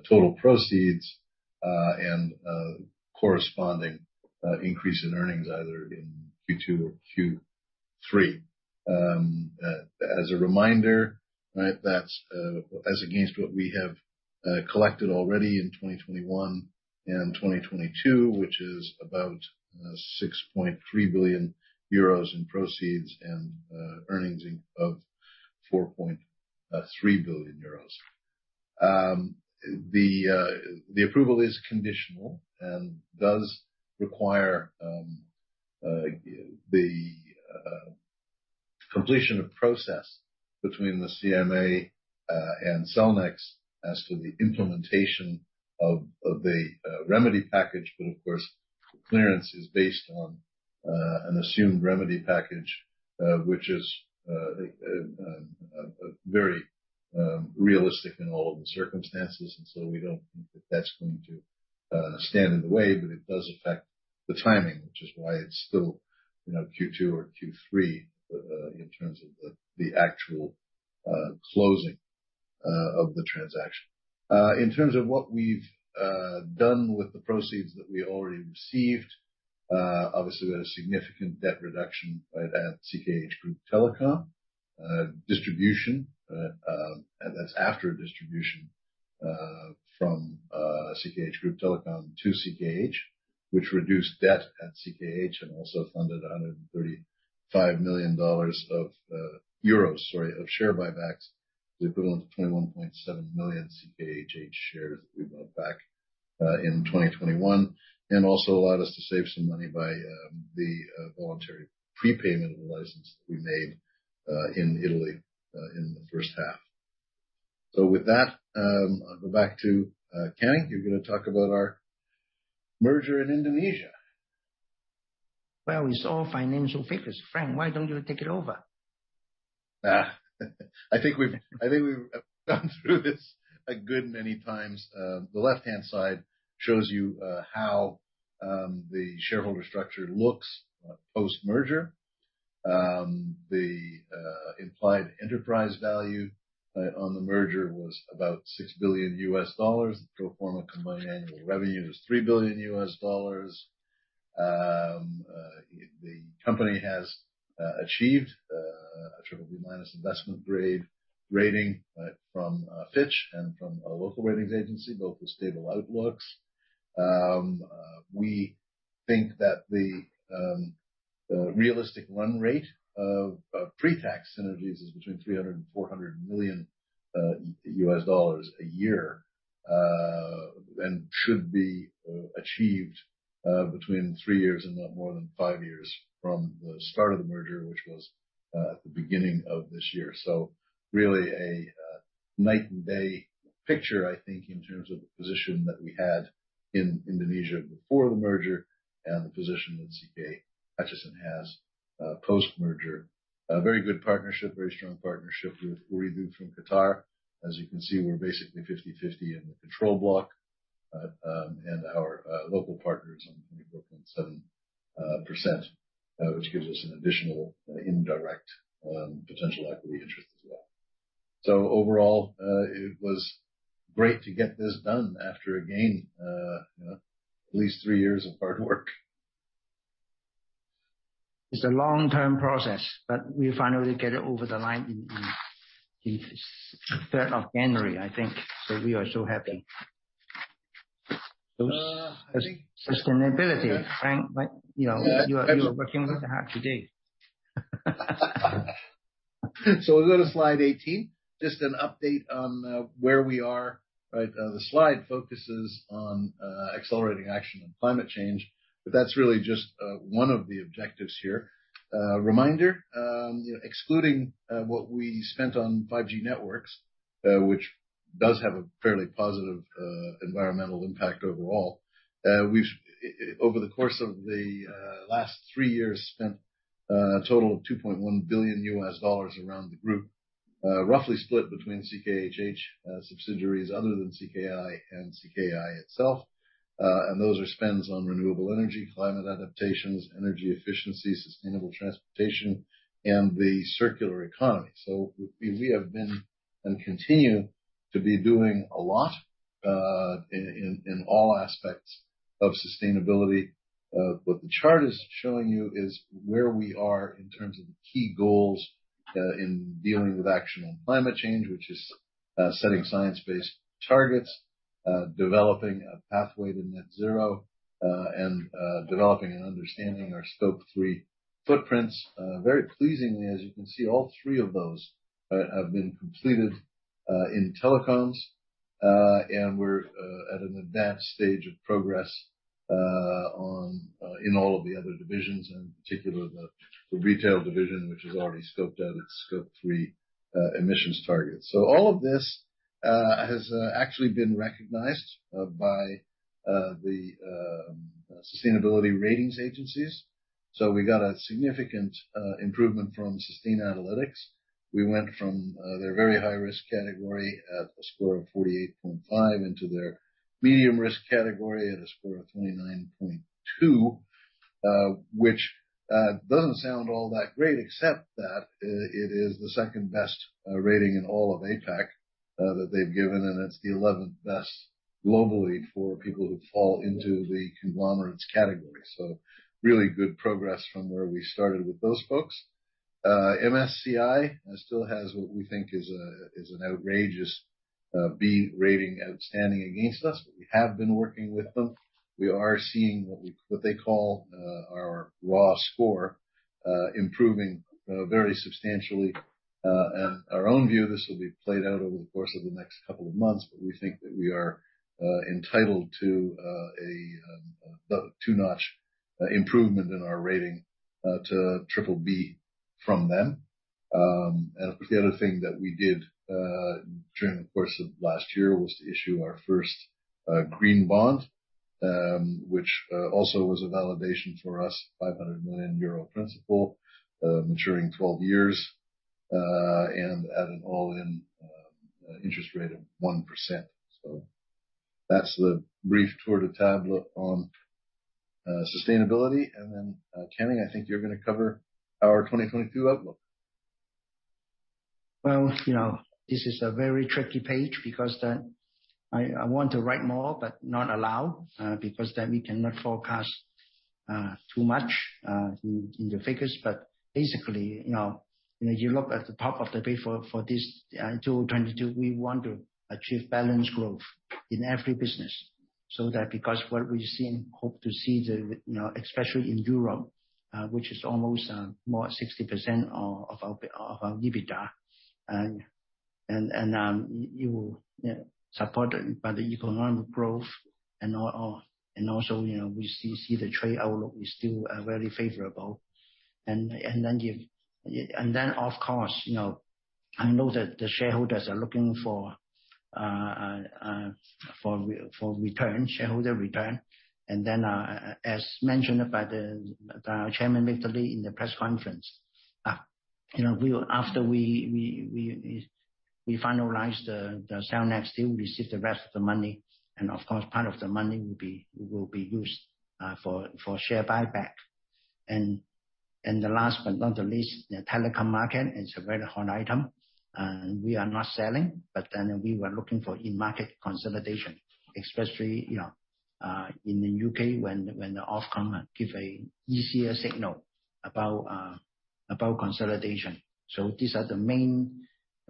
total proceeds and corresponding increase in earnings either in Q2 or Q3. As a reminder, that's as against what we have collected already in 2021 and 2022, which is about 6.3 billion euros in proceeds and earnings of 4.3 billion euros. The approval is conditional and does require the completion of process between the CMA and Cellnex as to the implementation of the remedy package. But of course, clearance is based on an assumed remedy package, which is very realistic in all of the circumstances. We don't think that that's going to stand in the way, but it does affect the timing, which is why it's still Q2 or Q3 in terms of the actual closing of the transaction. In terms of what we've done with the proceeds that we already received, obviously we had a significant debt reduction by that CK Hutchison Group Telecom distribution. That's after a distribution from CKH Group Telecom to CKH, which reduced debt at CKH and also funded 135 million euros of share buybacks, the equivalent of 21.7 million CKHH shares that we bought back in 2021. It also allowed us to save some money by the voluntary prepayment of the license that we made in Italy in the first half. With that, I'll go back to Kin Ning. You're going to talk about our merger in Indonesia. Well, it's all financial figures. Frank, why don't you take it over? I think we've gone through this a good many times. The left-hand side shows you how the shareholder structure looks post-merger. The implied enterprise value on the merger was about $6 billion. Pro forma combined annual revenue was $3 billion. The company has achieved a BBB- investment grade rating from Fitch and from a local ratings agency, both with stable outlooks. We think that the realistic run rate of pre-tax synergies is between $300 million and $400 million a year and should be achieved between 3 years and not more than 5 years from the start of the merger, which was at the beginning of this year. Really a night and day picture, I think, in terms of the position that we had in Indonesia before the merger and the position that CK Hutchison has post-merger. A very good partnership, very strong partnership with Ooredoo from Qatar. As you can see, we're basically 50/50 in the control block. And our local partners own 20.7%, which gives us an additional indirect potential equity interest as well. Overall, it was great to get this done after again, at least three years of hard work. It's a long-term process, but we finally get it over the line in January 3rd, I think. We are so happy. I think sustainability Frank, you are working with the heart today. We'll go to Slide 18. Just an update on where we are. The slide focuses on accelerating action on climate change, but that's really just one of the objectives here. Reminder, excluding what we spent on 5G networks, which does have a fairly positive environmental impact overall. We've, over the course of the last three years, spent a total of $2.1 billion around the group, roughly split between CKHH subsidiaries other than CKI and CKI itself. Those are spends on renewable energy, climate adaptations, energy efficiency, sustainable transportation, and the circular economy. We have been and continue to be doing a lot in all aspects of sustainability. What the chart is showing you is where we are in terms of the key goals in dealing with action on climate change, which is setting science-based targets, developing a pathway to net zero, and developing and understanding our Scope 3 footprints. Very pleasingly, as you can see, all three of those have been completed in telecoms. We're at an advanced stage of progress on in all of the other divisions, and in particular the retail division, which has already scoped out its Scope 3 emissions targets. All of this has actually been recognized by the sustainability ratings agencies. We got a significant improvement from Sustainalytics. We went from their very high-risk category at a score of 48.5 into their medium risk category at a score of 29.2. Which doesn't sound all that great except that it is the second best rating in all of APAC that they've given, and it's the 11th best globally for people who fall into the conglomerates category. Really good progress from where we started with those folks. MSCI still has what we think is an outrageous B rating outstanding against us. We have been working with them. We are seeing what they call our raw score improving very substantially. Our own view, this will be played out over the course of the next couple of months, but we think that we are entitled to a two-notch improvement in our rating to BBB from them. Of course, the other thing that we did during the course of last year was to issue our first Green Bond, which also was a validation for us, 500 million euro principal, maturing 12 years, and at an all-in interest rate of 1%. That's the brief tour de table on sustainability. Then, Kin Ning, I think you're going to cover our 2022 outlook. Well, this is a very tricky page because then I want to write more, but not allowed, because then we cannot forecast too much in the figures. Basically, you look at the top of the page for this 2022, we want to achieve balanced growth in every business. That's because what we've seen, hope to see, especially in Europe, which is almost more than 60% of our EBITDA. Supported by the economic growth and also we see the trade outlook is still very favorable. Of course, I know that the shareholders are looking for shareholder return. As mentioned by Chairman Victor Li in the press conference, after we finalize the Cellnex, we'll receive the rest of the money, and of course, part of the money will be used for share buyback. The last but not the least, the telecom market is a very hot item. We are not selling, but then we were looking for in-market consolidation, especially in the U.K. when the Ofcom give an easier signal about consolidation. These are the main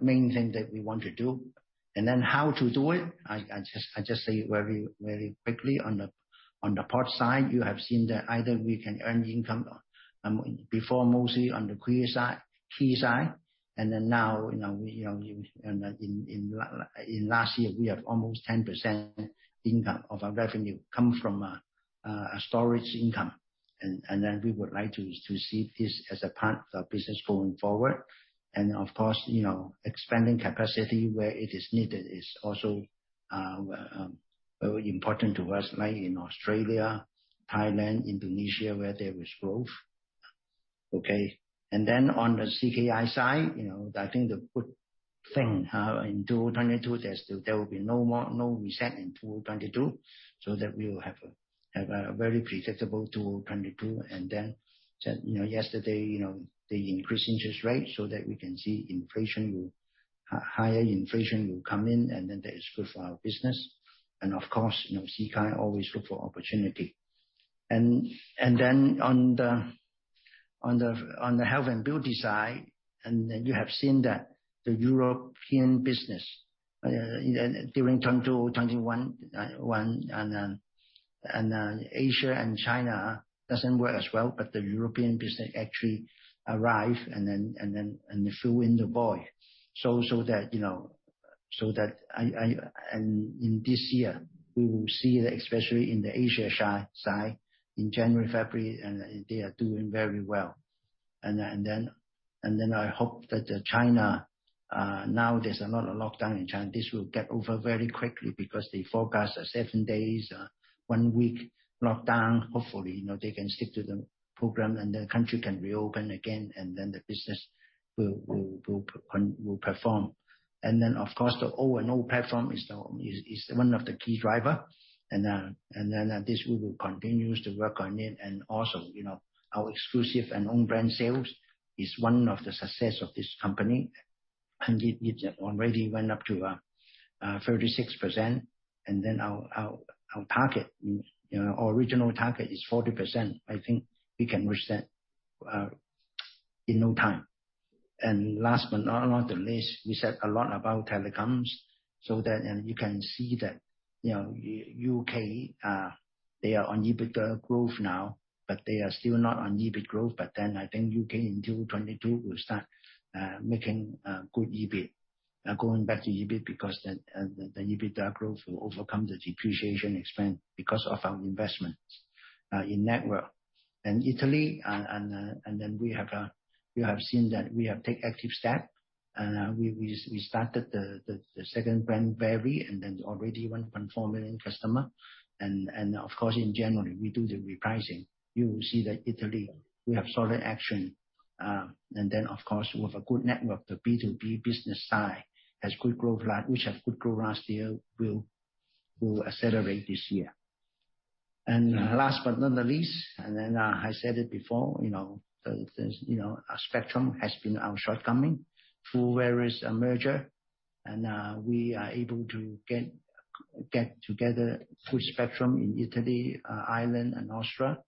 thing that we want to do. I just say very, very quickly on the port side, you have seen that we can earn income before mostly on the quayside, and then now, in last year, we have almost 10% of our revenue come from storage income. We would like to see this as a part of the business going forward. Of course, expanding capacity where it is needed is also very important to us, like in Australia, Thailand, Indonesia, where there is growth. Okay. On the CKI side, I think the good thing in 2022, there will be no more no reset in 2022, so that we will have a very predictable 2022. Yesterday, they increased interest rates so that we can see higher inflation will come in, and then that is good for our business. Of course, CKI always look for opportunity. On the health and beauty side, you have seen that the European business during 2021 and then Asia and China doesn't work as well, but the European business actually arrive and fill in the void. In this year, we will see especially in the Asia side in January, February, and they are doing very well. I hope that in China now there's a lot of lockdown in China. This will get over very quickly because the forecast is seven days, one week lockdown. Hopefully, they can stick to the program and the country can reopen again and then the business will perform. Of course, the O+O platform is one of the key driver. This we will continue to work on it. Also, our exclusive and own brand sales is one of the success of this company. It already went up to 36%. Our original target is 40%. I think we can reach that in no time. Last but not the least, we said a lot about telecoms, and you can see that the UK they are on EBITDA growth now, but they are still not on EBIT growth. I think UK in 2022 will start making good EBIT, going back to EBIT because the EBITDA growth will overcome the depreciation expense because of our investments in network. Italy, and then we have seen that we have taken active steps. We started the second brand, and then already won 1.4 million customers. Of course, in January, we do the repricing. You will see that Italy, we have solid action. Of course, with a good network, the B2B business side has good growth last year, which will accelerate this year. Last but not the least, I said it before, the spectrum has been our shortcoming through various mergers, and we are able to get together full spectrum in Italy, Ireland and Austria.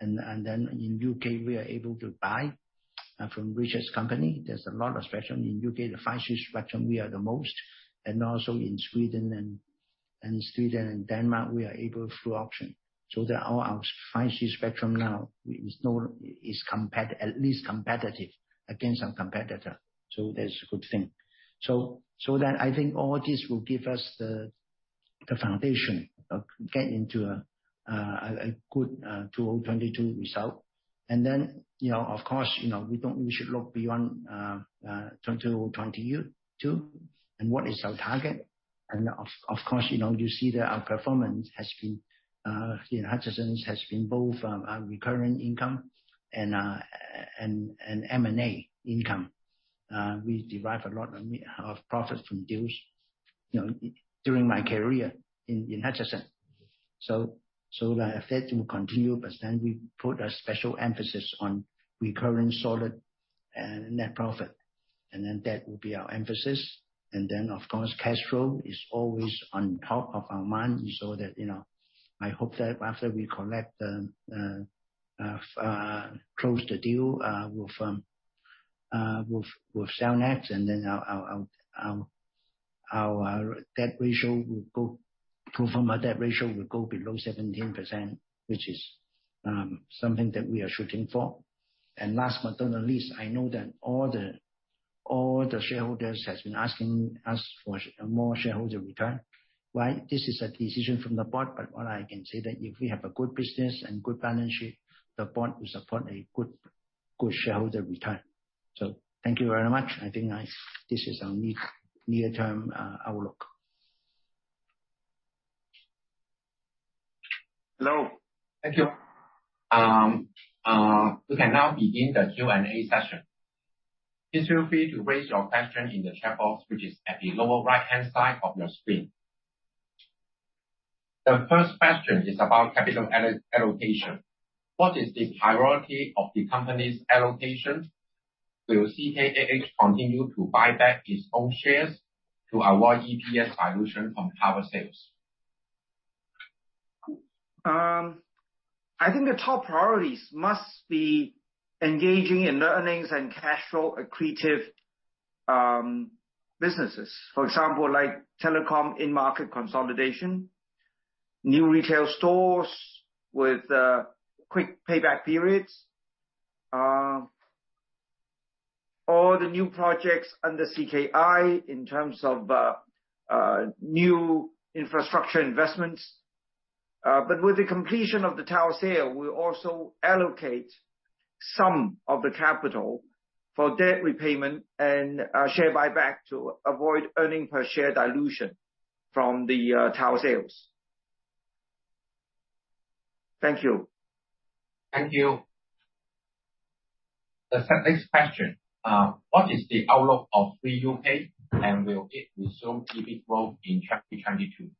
In U.K. we are able to buy from Richard's company. There's a lot of spectrum in U.K. The 5G spectrum we have the most. Also in Sweden and Denmark, we are able through auction. All our 5G spectrum now is at least competitive against our competitor. That's a good thing. I think all this will give us the foundation to get into a good 2022 result. Of course, we really shouldn't look beyond 2022. What is our target? Of course, you see that our performance in Hutchison has been both our recurring income and M&A income. We derive a lot of profits from deals, during my career in Hutchison. That effect will continue. We put a special emphasis on recurring solid and net profit. That will be our emphasis. Of course, cash flow is always on top of our mind. I hope that after we close the deal with Cellnex and then our pro forma debt ratio will go below 17%, which is something that we are shooting for. Last but not least, I know that all the shareholders has been asking us for more shareholder return, right? This is a decision from the board. What I can say that if we have a good business and good balance sheet, the board will support a good shareholder return. Thank you very much. I think this is our near-term outlook. Thank you. We can now begin the Q&A session. Please feel free to raise your question in the chat box, which is at the lower right-hand side of your screen. The first question is about capital allocation. What is the priority of the company's allocations? Will CKHH continue to buy back its own shares to avoid EPS dilution from Tower sales? I think the top priorities must be engaging in earnings and cash flow accretive businesses. For example, like telecom in-market consolidation, new retail stores with quick payback periods, all the new projects under CKI in terms of new infrastructure investments. With the completion of the Tower sale, we'll also allocate some of the capital for debt repayment and share buyback to avoid earnings per share dilution from the Tower sales. Thank you. Thank you. Next question. What is the outlook of 3UK, and will it resume EBIT growth in 2022?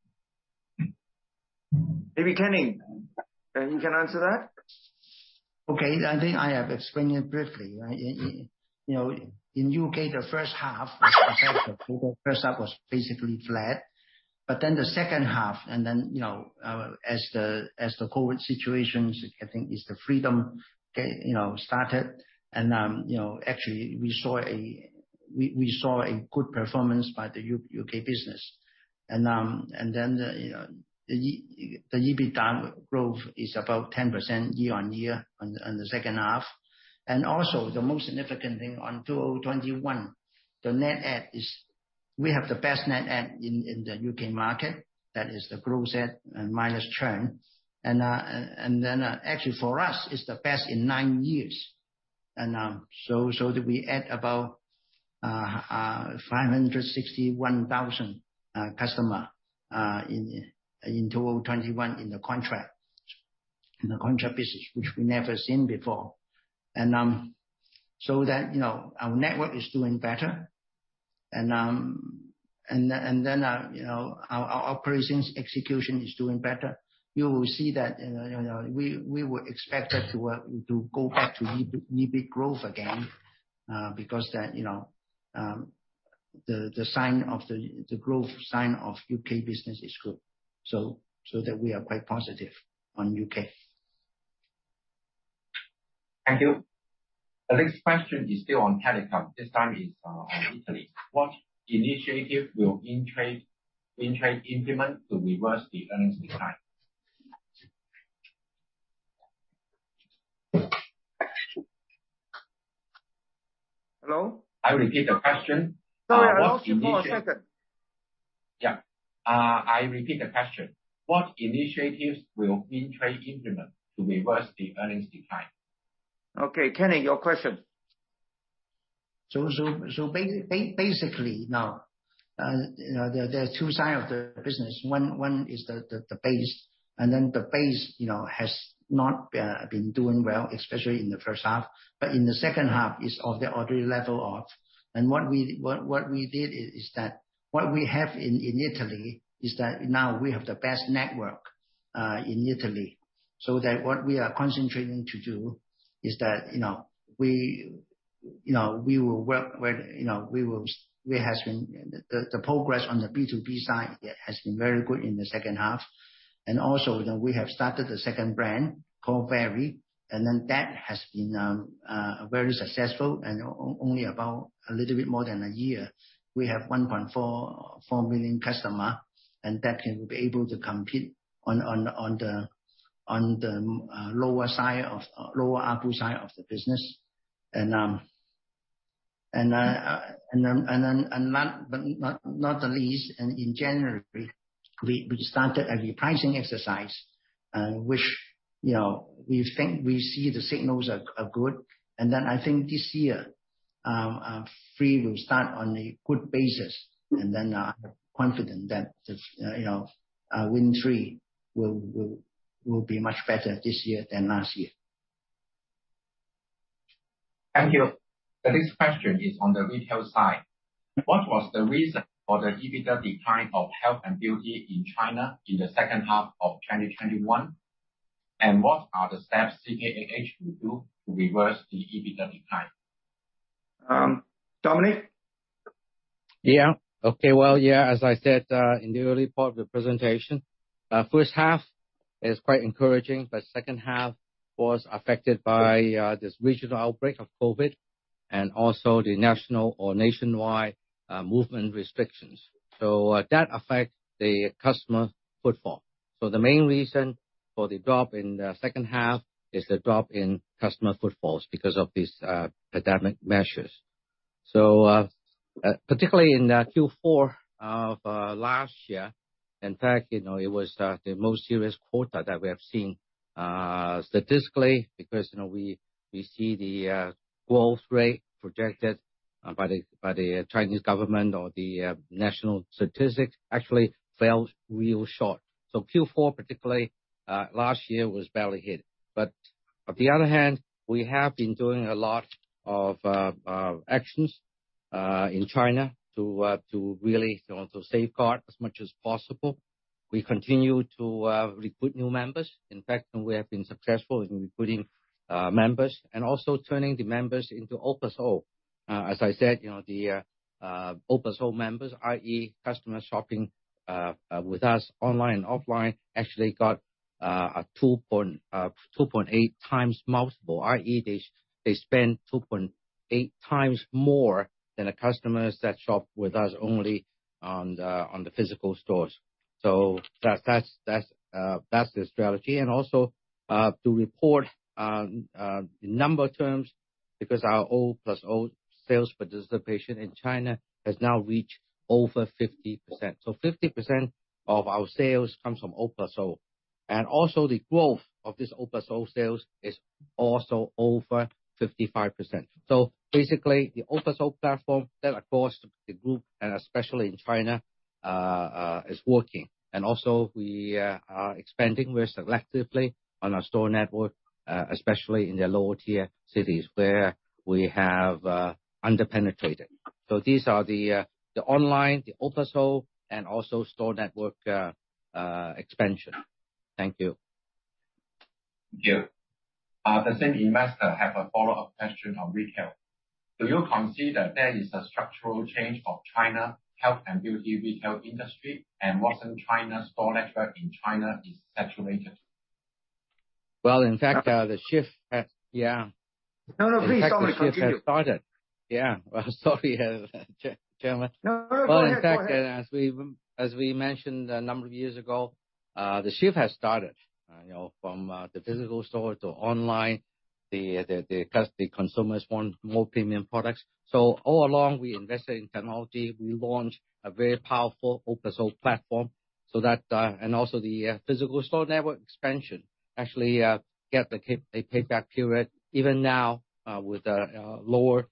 Maybe Kin Ning, you can answer that. Okay. I think I have explained it briefly. In U.K., the first half was basically flat. Then the second half, as the COVID situations, I think is the freedom started. Actually, we saw a good performance by the U.K. business. The EBITDA growth is about 10% year-over-year on the second half. Also the most significant thing on 2021, the net add is. We have the best net add in the U.K. market. That is the gross add, minus churn. Actually for us, it's the best in nine years. We added about 561,000 customers in 2021 in the contract business, which we never seen before. Our network is doing better. Our operations execution is doing better. You will see that we were expected to go back to EBIT growth again, because the signs of the growth of U.K. business is good. We are quite positive on U.K. Thank you. The next question is still on telecom. This time is on Italy. What initiative will WINDTRE implement to reverse the earnings decline? Hello? I'll repeat the question. No, I lost you for a second. Yes. I repeat the question. What initiatives will WINDTRE implement to reverse the earnings decline? Okay. Kin Ning, your question. Basically now, there are two sides of the business. One is the base. Then the base has not been doing well, especially in the first half. In the second half is of the order level. What we did is that what we have in Italy is that now we have the best network in Italy. That what we are concentrating to do is that, we will work with... The progress on the B2B side has been very good in the second half. Also, we have started a second brand called 3, and then that has been very successful. Only about a little bit more than a year, we have 1.44 million customers, and that can be able to compete on the lower side of lower ARPU side of the business. Last but not least, in January, we started a repricing exercise, which we think we see the signals are good. I think this year, 3 will start on a good basis. Confident that WINDTRE will be much better this year than last year. Thank you. The next question is on the retail side. What was the reason for the EBITDA decline of health and beauty in China in the second half of 2021? And what are the steps CKH will do to reverse the EBITDA decline? Dominic. Yes. Okay. Well, Yes, as I said, in the early part of the presentation, first half is quite encouraging, but second half was affected by this regional outbreak of COVID and also the national or nationwide movement restrictions. That affect the customer footfall. The main reason for the drop in the second half is the drop in customer footfalls because of these pandemic measures. Particularly in Q4 of last year, in fact, it was the most serious quarter that we have seen, statistically, because we see the growth rate projected by the Chinese government or the national statistics actually fell real short. Q4, particularly, last year, was badly hit. On the other hand, we have been doing a lot of actions in China to really safeguard as much as possible. We continue to recruit new members. In fact, we have been successful in recruiting members and also turning the members into O+O. As I said, the O+O members, i.e., customer shopping with us online and offline, actually got a 2.8 times multiple, i.e., they spend 2.8 times more than a customer that shop with us only on the physical stores. That's the strategy. Also, to report numerical terms, because our O+O sales participation in China has now reached over 50%. Fifty percent of our sales comes from O+O. The growth of this O+O sales is also over 55%. Basically, the O+O platform that, of course, the group, and especially in China, is working. We are expanding very selectively on our store network, especially in the lower tier cities where we have under-penetrated. These are the online, the O+O, and also store network expansion. Thank you. Thank you. The same investor have a follow-up question on retail. Do you consider there is a structural change of China's health and beauty retail industry, and isn't China's store network in China saturated? Well, in fact, the shift has... No, please, Dominic. Continue. In fact, the shift has started. Sorry, gentlemen. No. Go ahead. Well, in fact, as we mentioned a number of years ago, the shift has started, from the physical store to online. The consumers want more premium products. All along, we invested in technology. We launched a very powerful O+O platform. And also the physical store network expansion actually gets the payback period, even now, with the lower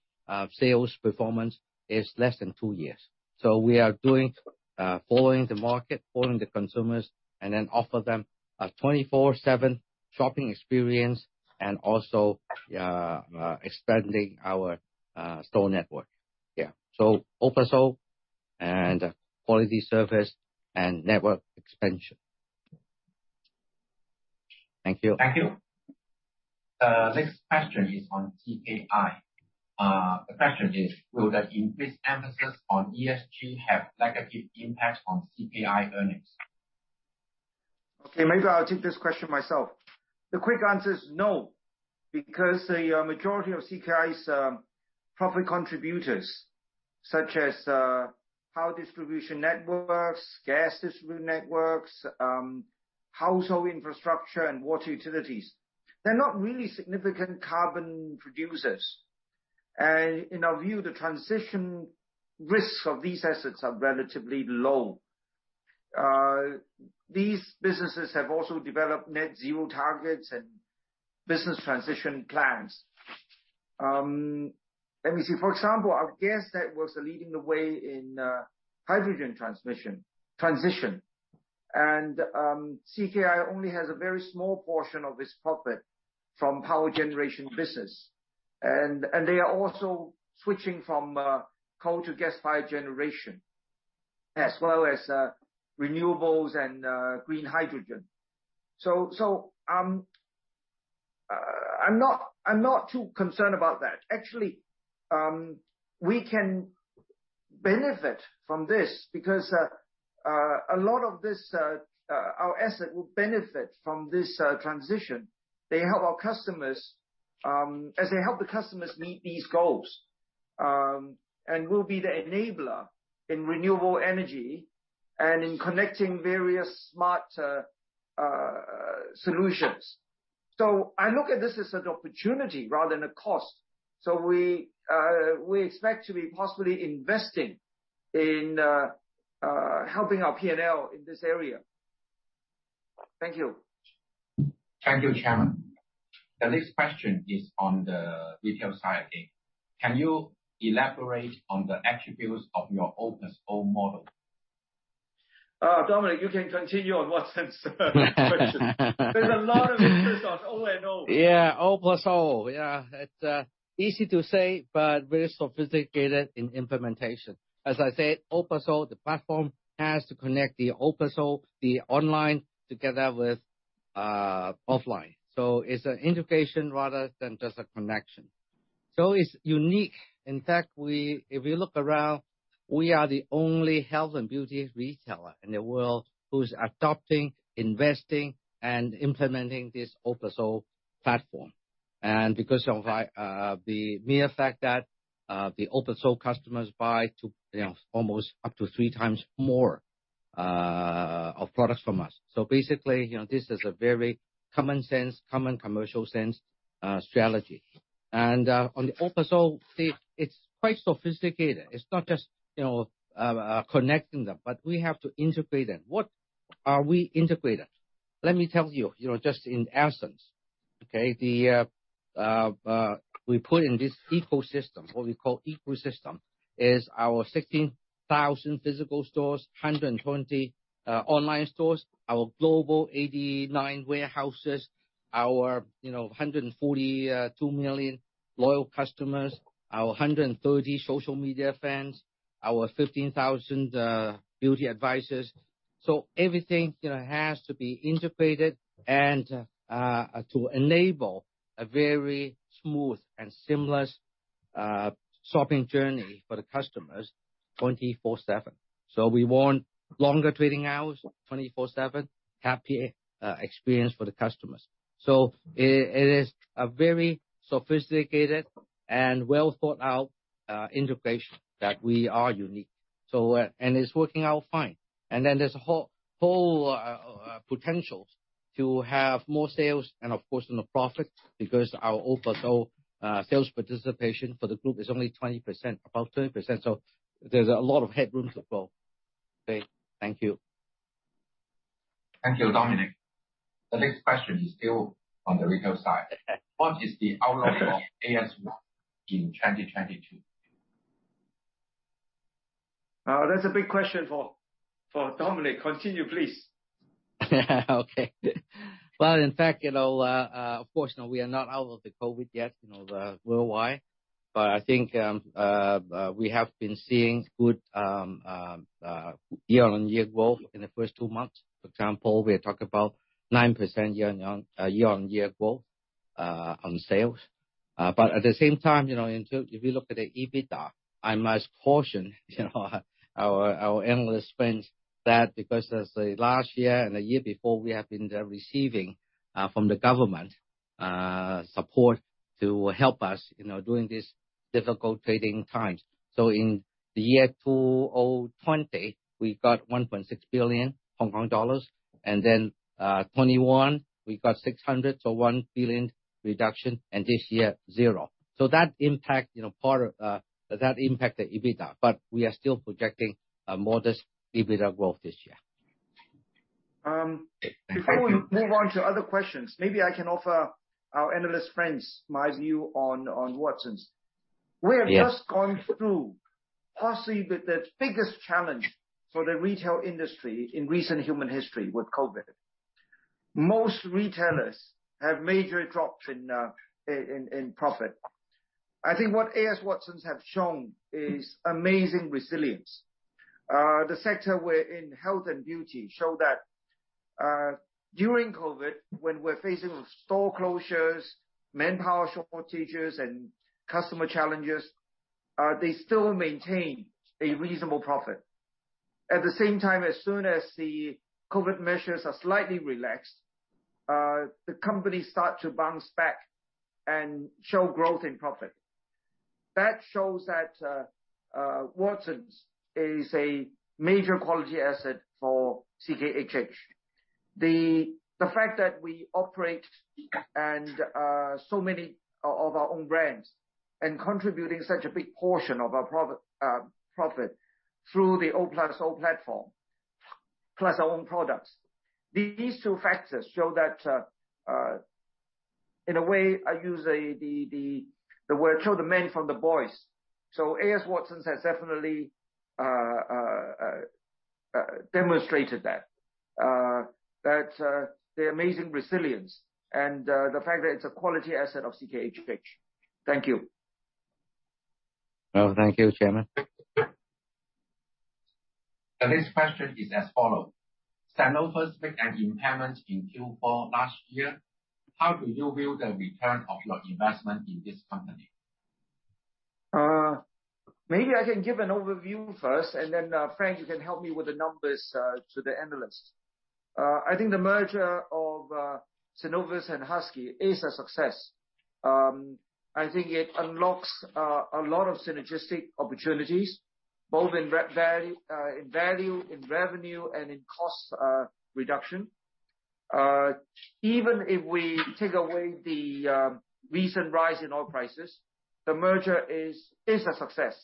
sales performance, is less than two years. We are following the market, following the consumers, and then offer them a 24/7 shopping experience and also expanding our store network. Yes. O+O and quality service and network expansion. Thank you. Thank you. Next question is on CKI. The question is, will the increased emphasis on ESG have negative impact on CKI earnings? Okay, maybe I'll take this question myself. The quick answer is no, because the majority of CKI's profit contributors, such as power distribution networks, gas distribution networks, household infrastructure, and water utilities, they're not really significant carbon producers. In our view, the transition risks of these assets are relatively low. These businesses have also developed net zero targets and business transition plans. Let me see. For example, our gas network is leading the way in hydrogen transmission, transition. CKI only has a very small portion of its profit from power generation business. They are also switching from coal to gas-fired generation. As well as renewables and green hydrogen. I'm not too concerned about that. Actually, we can benefit from this because a lot of this our asset will benefit from this transition. They help our customers as they help the customers meet these goals. We'll be the enabler in renewable energy and in connecting various smart solutions. I look at this as an opportunity rather than a cost. We expect to be possibly investing in helping our P&L in this area. Thank you. Thank you, Chairman. The next question is on the retail side again. Can you elaborate on the attributes of your O+O model? Dominic, you can continue on Watson's question. There's a lot of interest on O and O. O+O. It's easy to say, but very sophisticated in implementation. As I said, O+O, the platform, has to connect O+O, the online together with offline. It's an integration rather than just a connection. It's unique. In fact, if you look around, we are the only health and beauty retailer in the world who's adopting, investing, and implementing this O+O platform. Because of the mere fact that the O+O customers buy two, almost up to three times more of products from us. Basically, this is a very common sense, common commercial sense strategy. On the O+O suite, it's quite sophisticated. It's not just connecting them, but we have to integrate them. What are we integrating? Let me tell you, just in essence, we put in this ecosystem, what we call ecosystem, is our 16,000 physical stores, 120 online stores, our global 89 warehouses, our 142 million loyal customers, our 130 social media fans, our 15,000 beauty advisors. Everything has to be integrated and to enable a very smooth and seamless shopping journey for the customers 24/7. We want longer trading hours, 24/7, happier experience for the customers. It is a very sophisticated and well-thought-out integration that we are unique, so, and it's working out fine. There's a whole potential to have more sales and of course, more profit because our O+O sales participation for the group is only 20%, about 20%. There's a lot of headroom to grow. Okay. Thank you. Thank you, Dominic. The next question is still on the retail side. What is the outlook of A.S. Watson in 2022? That's a big question for Dominic. Continue, please. Okay. Well, in fact, of course, we are not out of the COVID yet the worldwide. I think we have been seeing good year-on-year growth in the first two months. For example, we are talking about 9% year-on-year growth on sales. At the same time, if you look at the EBITDA, I must caution, our analyst friends that because as the last year and the year before, we have been receiving from the government support to help us during this difficult trading times. In the year 2020, we got 1.6 billion Hong Kong dollars. 2021, we got 600 million, so 1 billion reduction, and this year 0. That impacted EBITDA. We are still projecting a modest EBITDA growth this year. Thank you. Before we move on to other questions, maybe I can offer our analyst friends my view on Watson. Yes. We have just gone through possibly the biggest challenge for the retail industry in recent human history with COVID. Most retailers have major drops in profit. I think what A.S. Watson have shown is amazing resilience. The sector we're in, health and beauty, show that during COVID, when we're facing store closures, manpower shortages, and customer challenges, they still maintain a reasonable profit. At the same time, as soon as the COVID measures are slightly relaxed, the company start to bounce back and show growth in profit. That shows that Watson is a major quality asset for CKHH. The fact that we operate so many of our own brands and contributing such a big portion of our profit through the O+O platform, plus our own products. These two factors show that, in a way, I use the word separate the men from the boys. A.S. Watson has definitely demonstrated that the amazing resilience and the fact that it's a quality asset of CKHH. Thank you. Thank you, chairman. The next question is as follows. Cenovus made an impairment in Q4 last year. How do you view the return of your investment in this company? Maybe I can give an overview first, and then Frank, you can help me with the numbers to the analysts. I think the merger of Cenovus and Husky is a success. I think it unlocks a lot of synergistic opportunities, both in value, in revenue, and in cost reduction. Even if we take away the recent rise in oil prices, the merger is a success.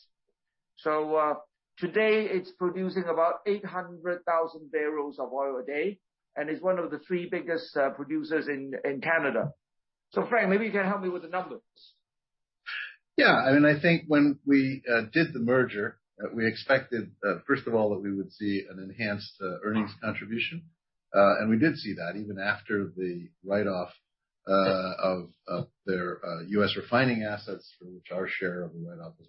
Today it's producing about 800,000 barrels of oil a day and is one of the three biggest producers in Canada. Frank, maybe you can help me with the numbers. Yes. I think when we did the merger, we expected, first of all, that we would see an enhanced earnings contribution. We did see that even after the write-off of their U.S. refining assets, for which our share of the write-off was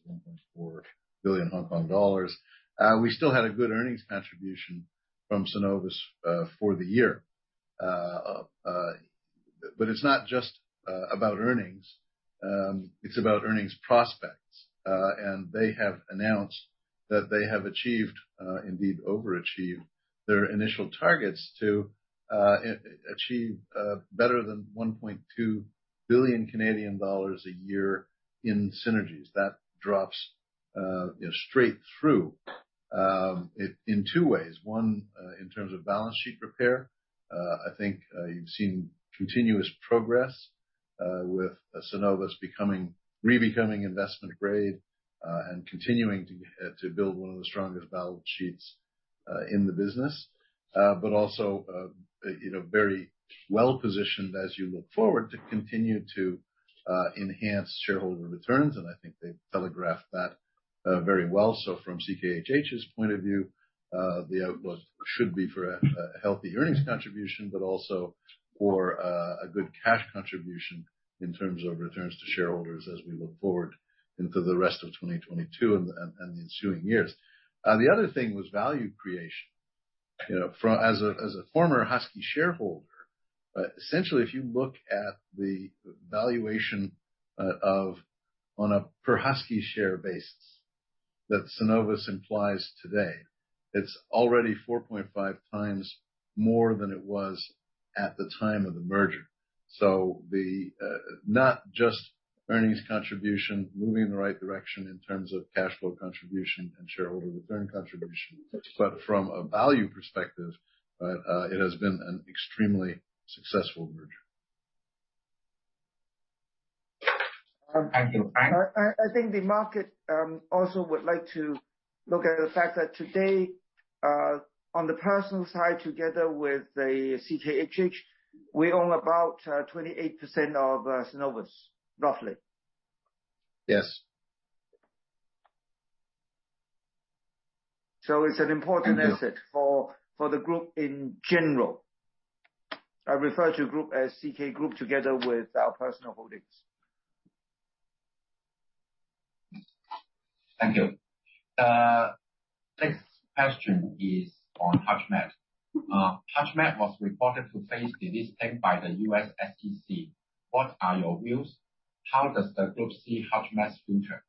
1.4 billion Hong Kong dollars. We still had a good earnings contribution from Cenovus for the year. It's not just about earnings, it's about earnings prospects. They have announced that they have achieved, indeed overachieved their initial targets to achieve better than 1.2 billion Canadian dollars a year in synergies. That drops straight through in two ways. One, in terms of balance sheet repair. I think you've seen continuous progress with Cenovus becoming investment grade and continuing to build one of the strongest balance sheets in the business. Very well-positioned as you look forward to continue to enhance shareholder returns. I think they've telegraphed that very well. From CKHH's point of view, the outlook should be for a healthy earnings contribution, but also for a good cash contribution in terms of returns to shareholders as we look forward into the rest of 2022 and the ensuing years. The other thing was value creation. As a former Husky shareholder, essentially, if you look at the valuation, on a per Husky share basis that Cenovus implies today, it's already 4.5 times more than it was at the time of the merger. Not just earnings contribution moving in the right direction in terms of cash flow contribution and shareholder return contribution, but from a value perspective, it has been an extremely successful merger. Thank you. Frank? I think the market also would like to look at the fact that today, on the personal side, together with the CKHH, we own about 28% of Cenovus, roughly. Yes. It's an important asset for the group in general. I refer to group as CK Group together with our personal holdings. Thank you. Next question is on HUTCHMED. HUTCHMED was reported to face delisting by the U.S. SEC. What are your views? How does the group see HUTCHMED's future?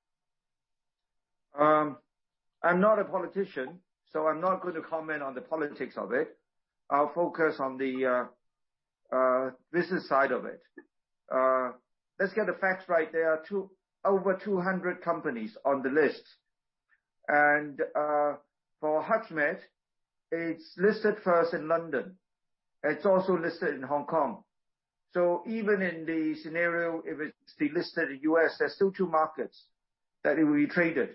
I'm not a politician, so I'm not going to comment on the politics of it. I'll focus on the business side of it. Let's get the facts right. There are over 200 companies on the list. For HUTCHMED, it's listed first in London. It's also listed in Hong Kong. Even in the scenario, if it's delisted in the U.S., there's still two markets that it will be traded.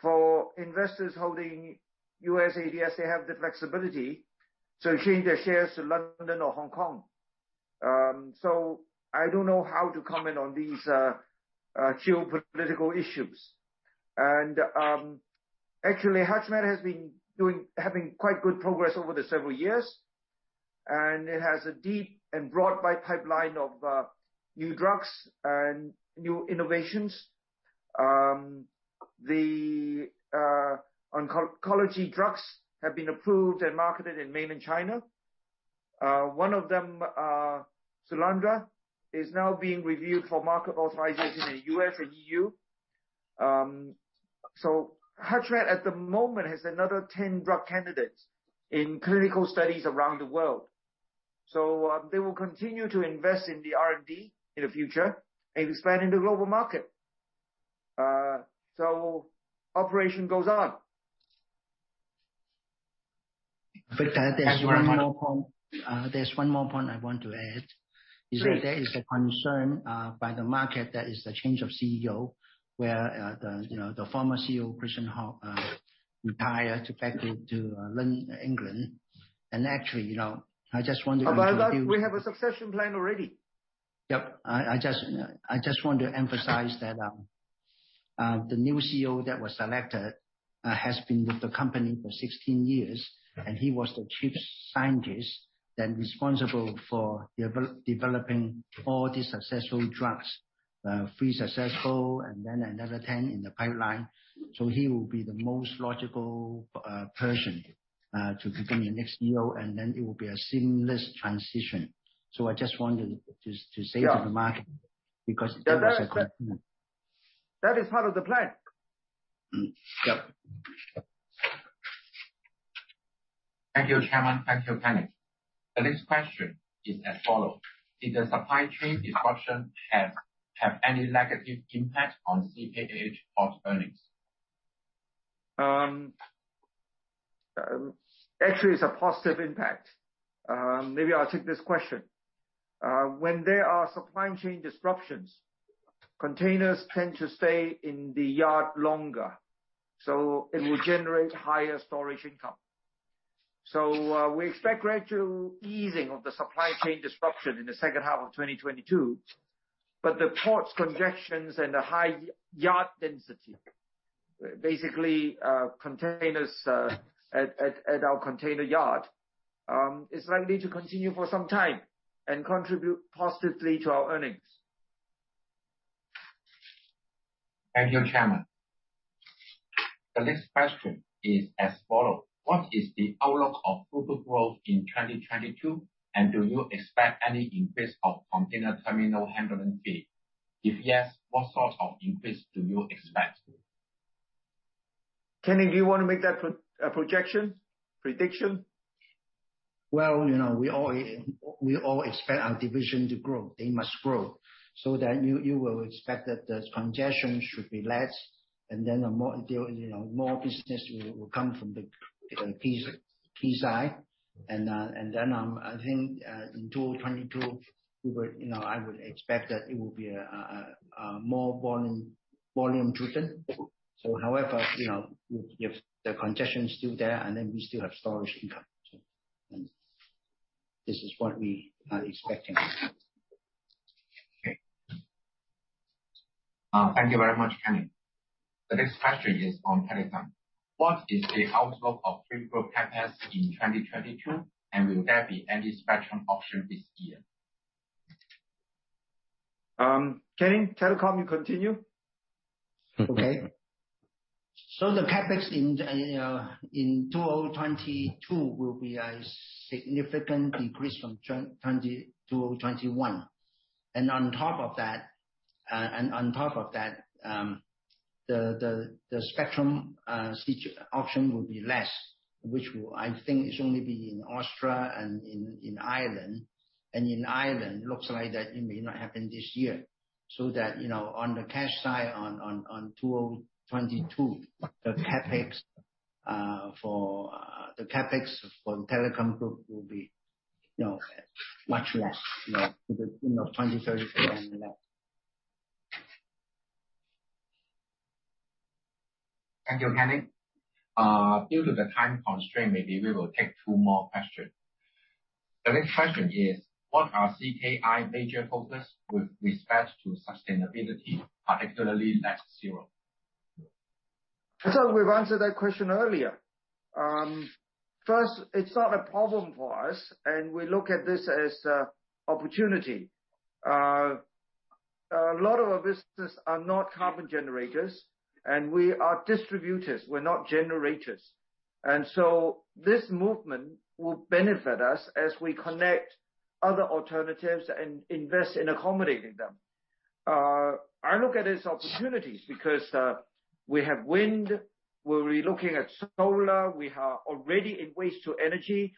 For investors holding U.S. ADS, they have the flexibility to change their shares to London or Hong Kong. I don't know how to comment on these geopolitical issues. Actually, HUTCHMED has been having quite good progress over the several years, and it has a deep and broad pipeline of new drugs and new innovations. The oncology drugs have been approved and marketed in mainland China. One of them, Surufatinib, is now being reviewed for market authorization in the U.S. and EU. HUTCHMED at the moment has another 10 drug candidates in clinical studies around the world. They will continue to invest in the R&D in the future and expand in the global market. Operation goes on. Victor, there's one more point I want to add. Please. There is a concern by the market that is the change of CEO where the former CEO Christian Hogg retired back to London England. We have a succession plan already. Yes. I just want to emphasize that the new CEO that was selected has been with the company for 16 years, and he was the chief scientist, then responsible for developing all the successful drugs. Three successful and then another 10 in the pipeline. He will be the most logical person to become the next CEO, and then it will be a seamless transition. I just wanted to say to the market because That is part of the plan. Yes. Thank you, Chairman. Thank you, Kin Ning. The next question is as follows. Did the supply chain disruption have any negative impact on CKH port earnings? Actually it's a positive impact. Maybe I'll take this question. When there are supply chain disruptions, containers tend to stay in the yard longer, so it will generate higher storage income. We expect gradual easing of the supply chain disruption in the second half of 2022, but the port congestions and the high yard density, basically containers at our container yard, is likely to continue for some time and contribute positively to our earnings. Thank you, Chairman. The next question is as follows. What is the outlook for throughput growth in 2022, and do you expect any increase of container terminal handling fee? If yes, what sort of increase do you expect? Kin Ning, do you want to make that projection? Prediction? Well, we all expect our division to grow. They must grow. You will expect that the congestion should be less, and then more business will come from the quayside. I think in 2022, I would expect that it will be more volume driven. However, if the congestion is still there, and then we still have storage income, and this is what we are expecting. Okay. Thank you very much, Kin Ning. The next question is on telecom. What is the outlook of throughput CapEx in 2022, and will there be any spectrum auction this year? Kin Ning, telecom, you continue. Okay. The CapEx in 2022 will be a significant decrease from 2021. On top of that, the spectrum auction will be less, which, I think, will only be in Austria and in Ireland. In Ireland, it looks like it may not happen this year. On the cash side in 2022, the CapEx for the telecom group will be much less. In the 20-30 and less. Thank you, Kin Ning. Due to the time constraint, maybe we will take two more question. The next question is, what are CKI major focus with respect to sustainability, particularly net zero? We've answered that question earlier. First, it's not a problem for us, and we look at this as opportunity. A lot of our businesses are not carbon generators, and we are distributors, we're not generators. This movement will benefit us as we connect other alternatives and invest in accommodating them. I look at it as opportunities because we have wind, we'll be looking at solar, we are already in waste to energy.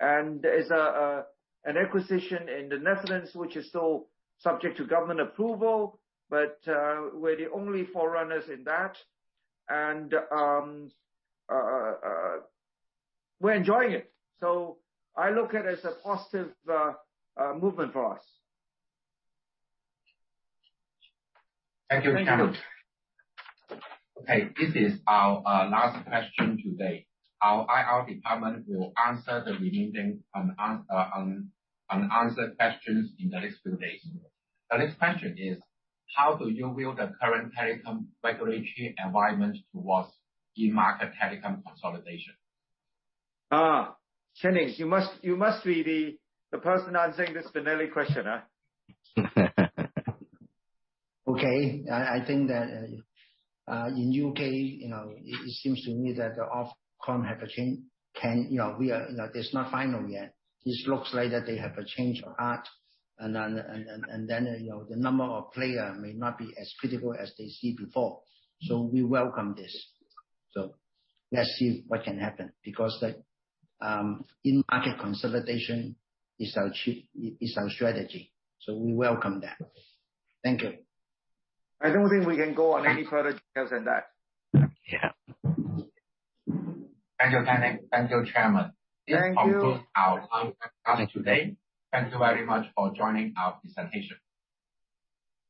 There's an acquisition in the Netherlands which is still subject to government approval, but we're the only forerunners in that. We're enjoying it. I look at it as a positive movement for us. Thank you, Chairman. Thank you. Okay, this is our last question today. Our IR department will answer the remaining unanswered questions in the next few days. The next question is, how do you view the current telecom regulatory environment towards in-market telecom consolidation? Kin Ning, you must be the person answering this final question? Okay. I think that in the U.K., it seems to me that the Ofcom have a change. It's not final yet. It looks like that they have a change of heart. The number of players may not be as critical as they saw before. We welcome this. Let's see what can happen because the in-market consolidation is our key strategy. We welcome that. Thank you. I don't think we can go on any further details than that. Yes. Thank you, Kin Ning. Thank you, Chairman. Thank you. This concludes our online press conference today. Thank you very much for joining our presentation.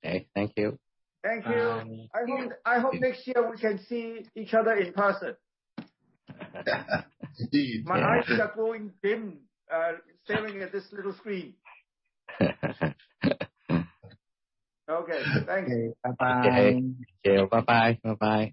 Okay. Thank you. Thank you. I hope next year we can see each other in person. Indeed. My eyes are going dim, staring at this little screen. Okay. Thank you. Bye bye. Okay. Bye bye.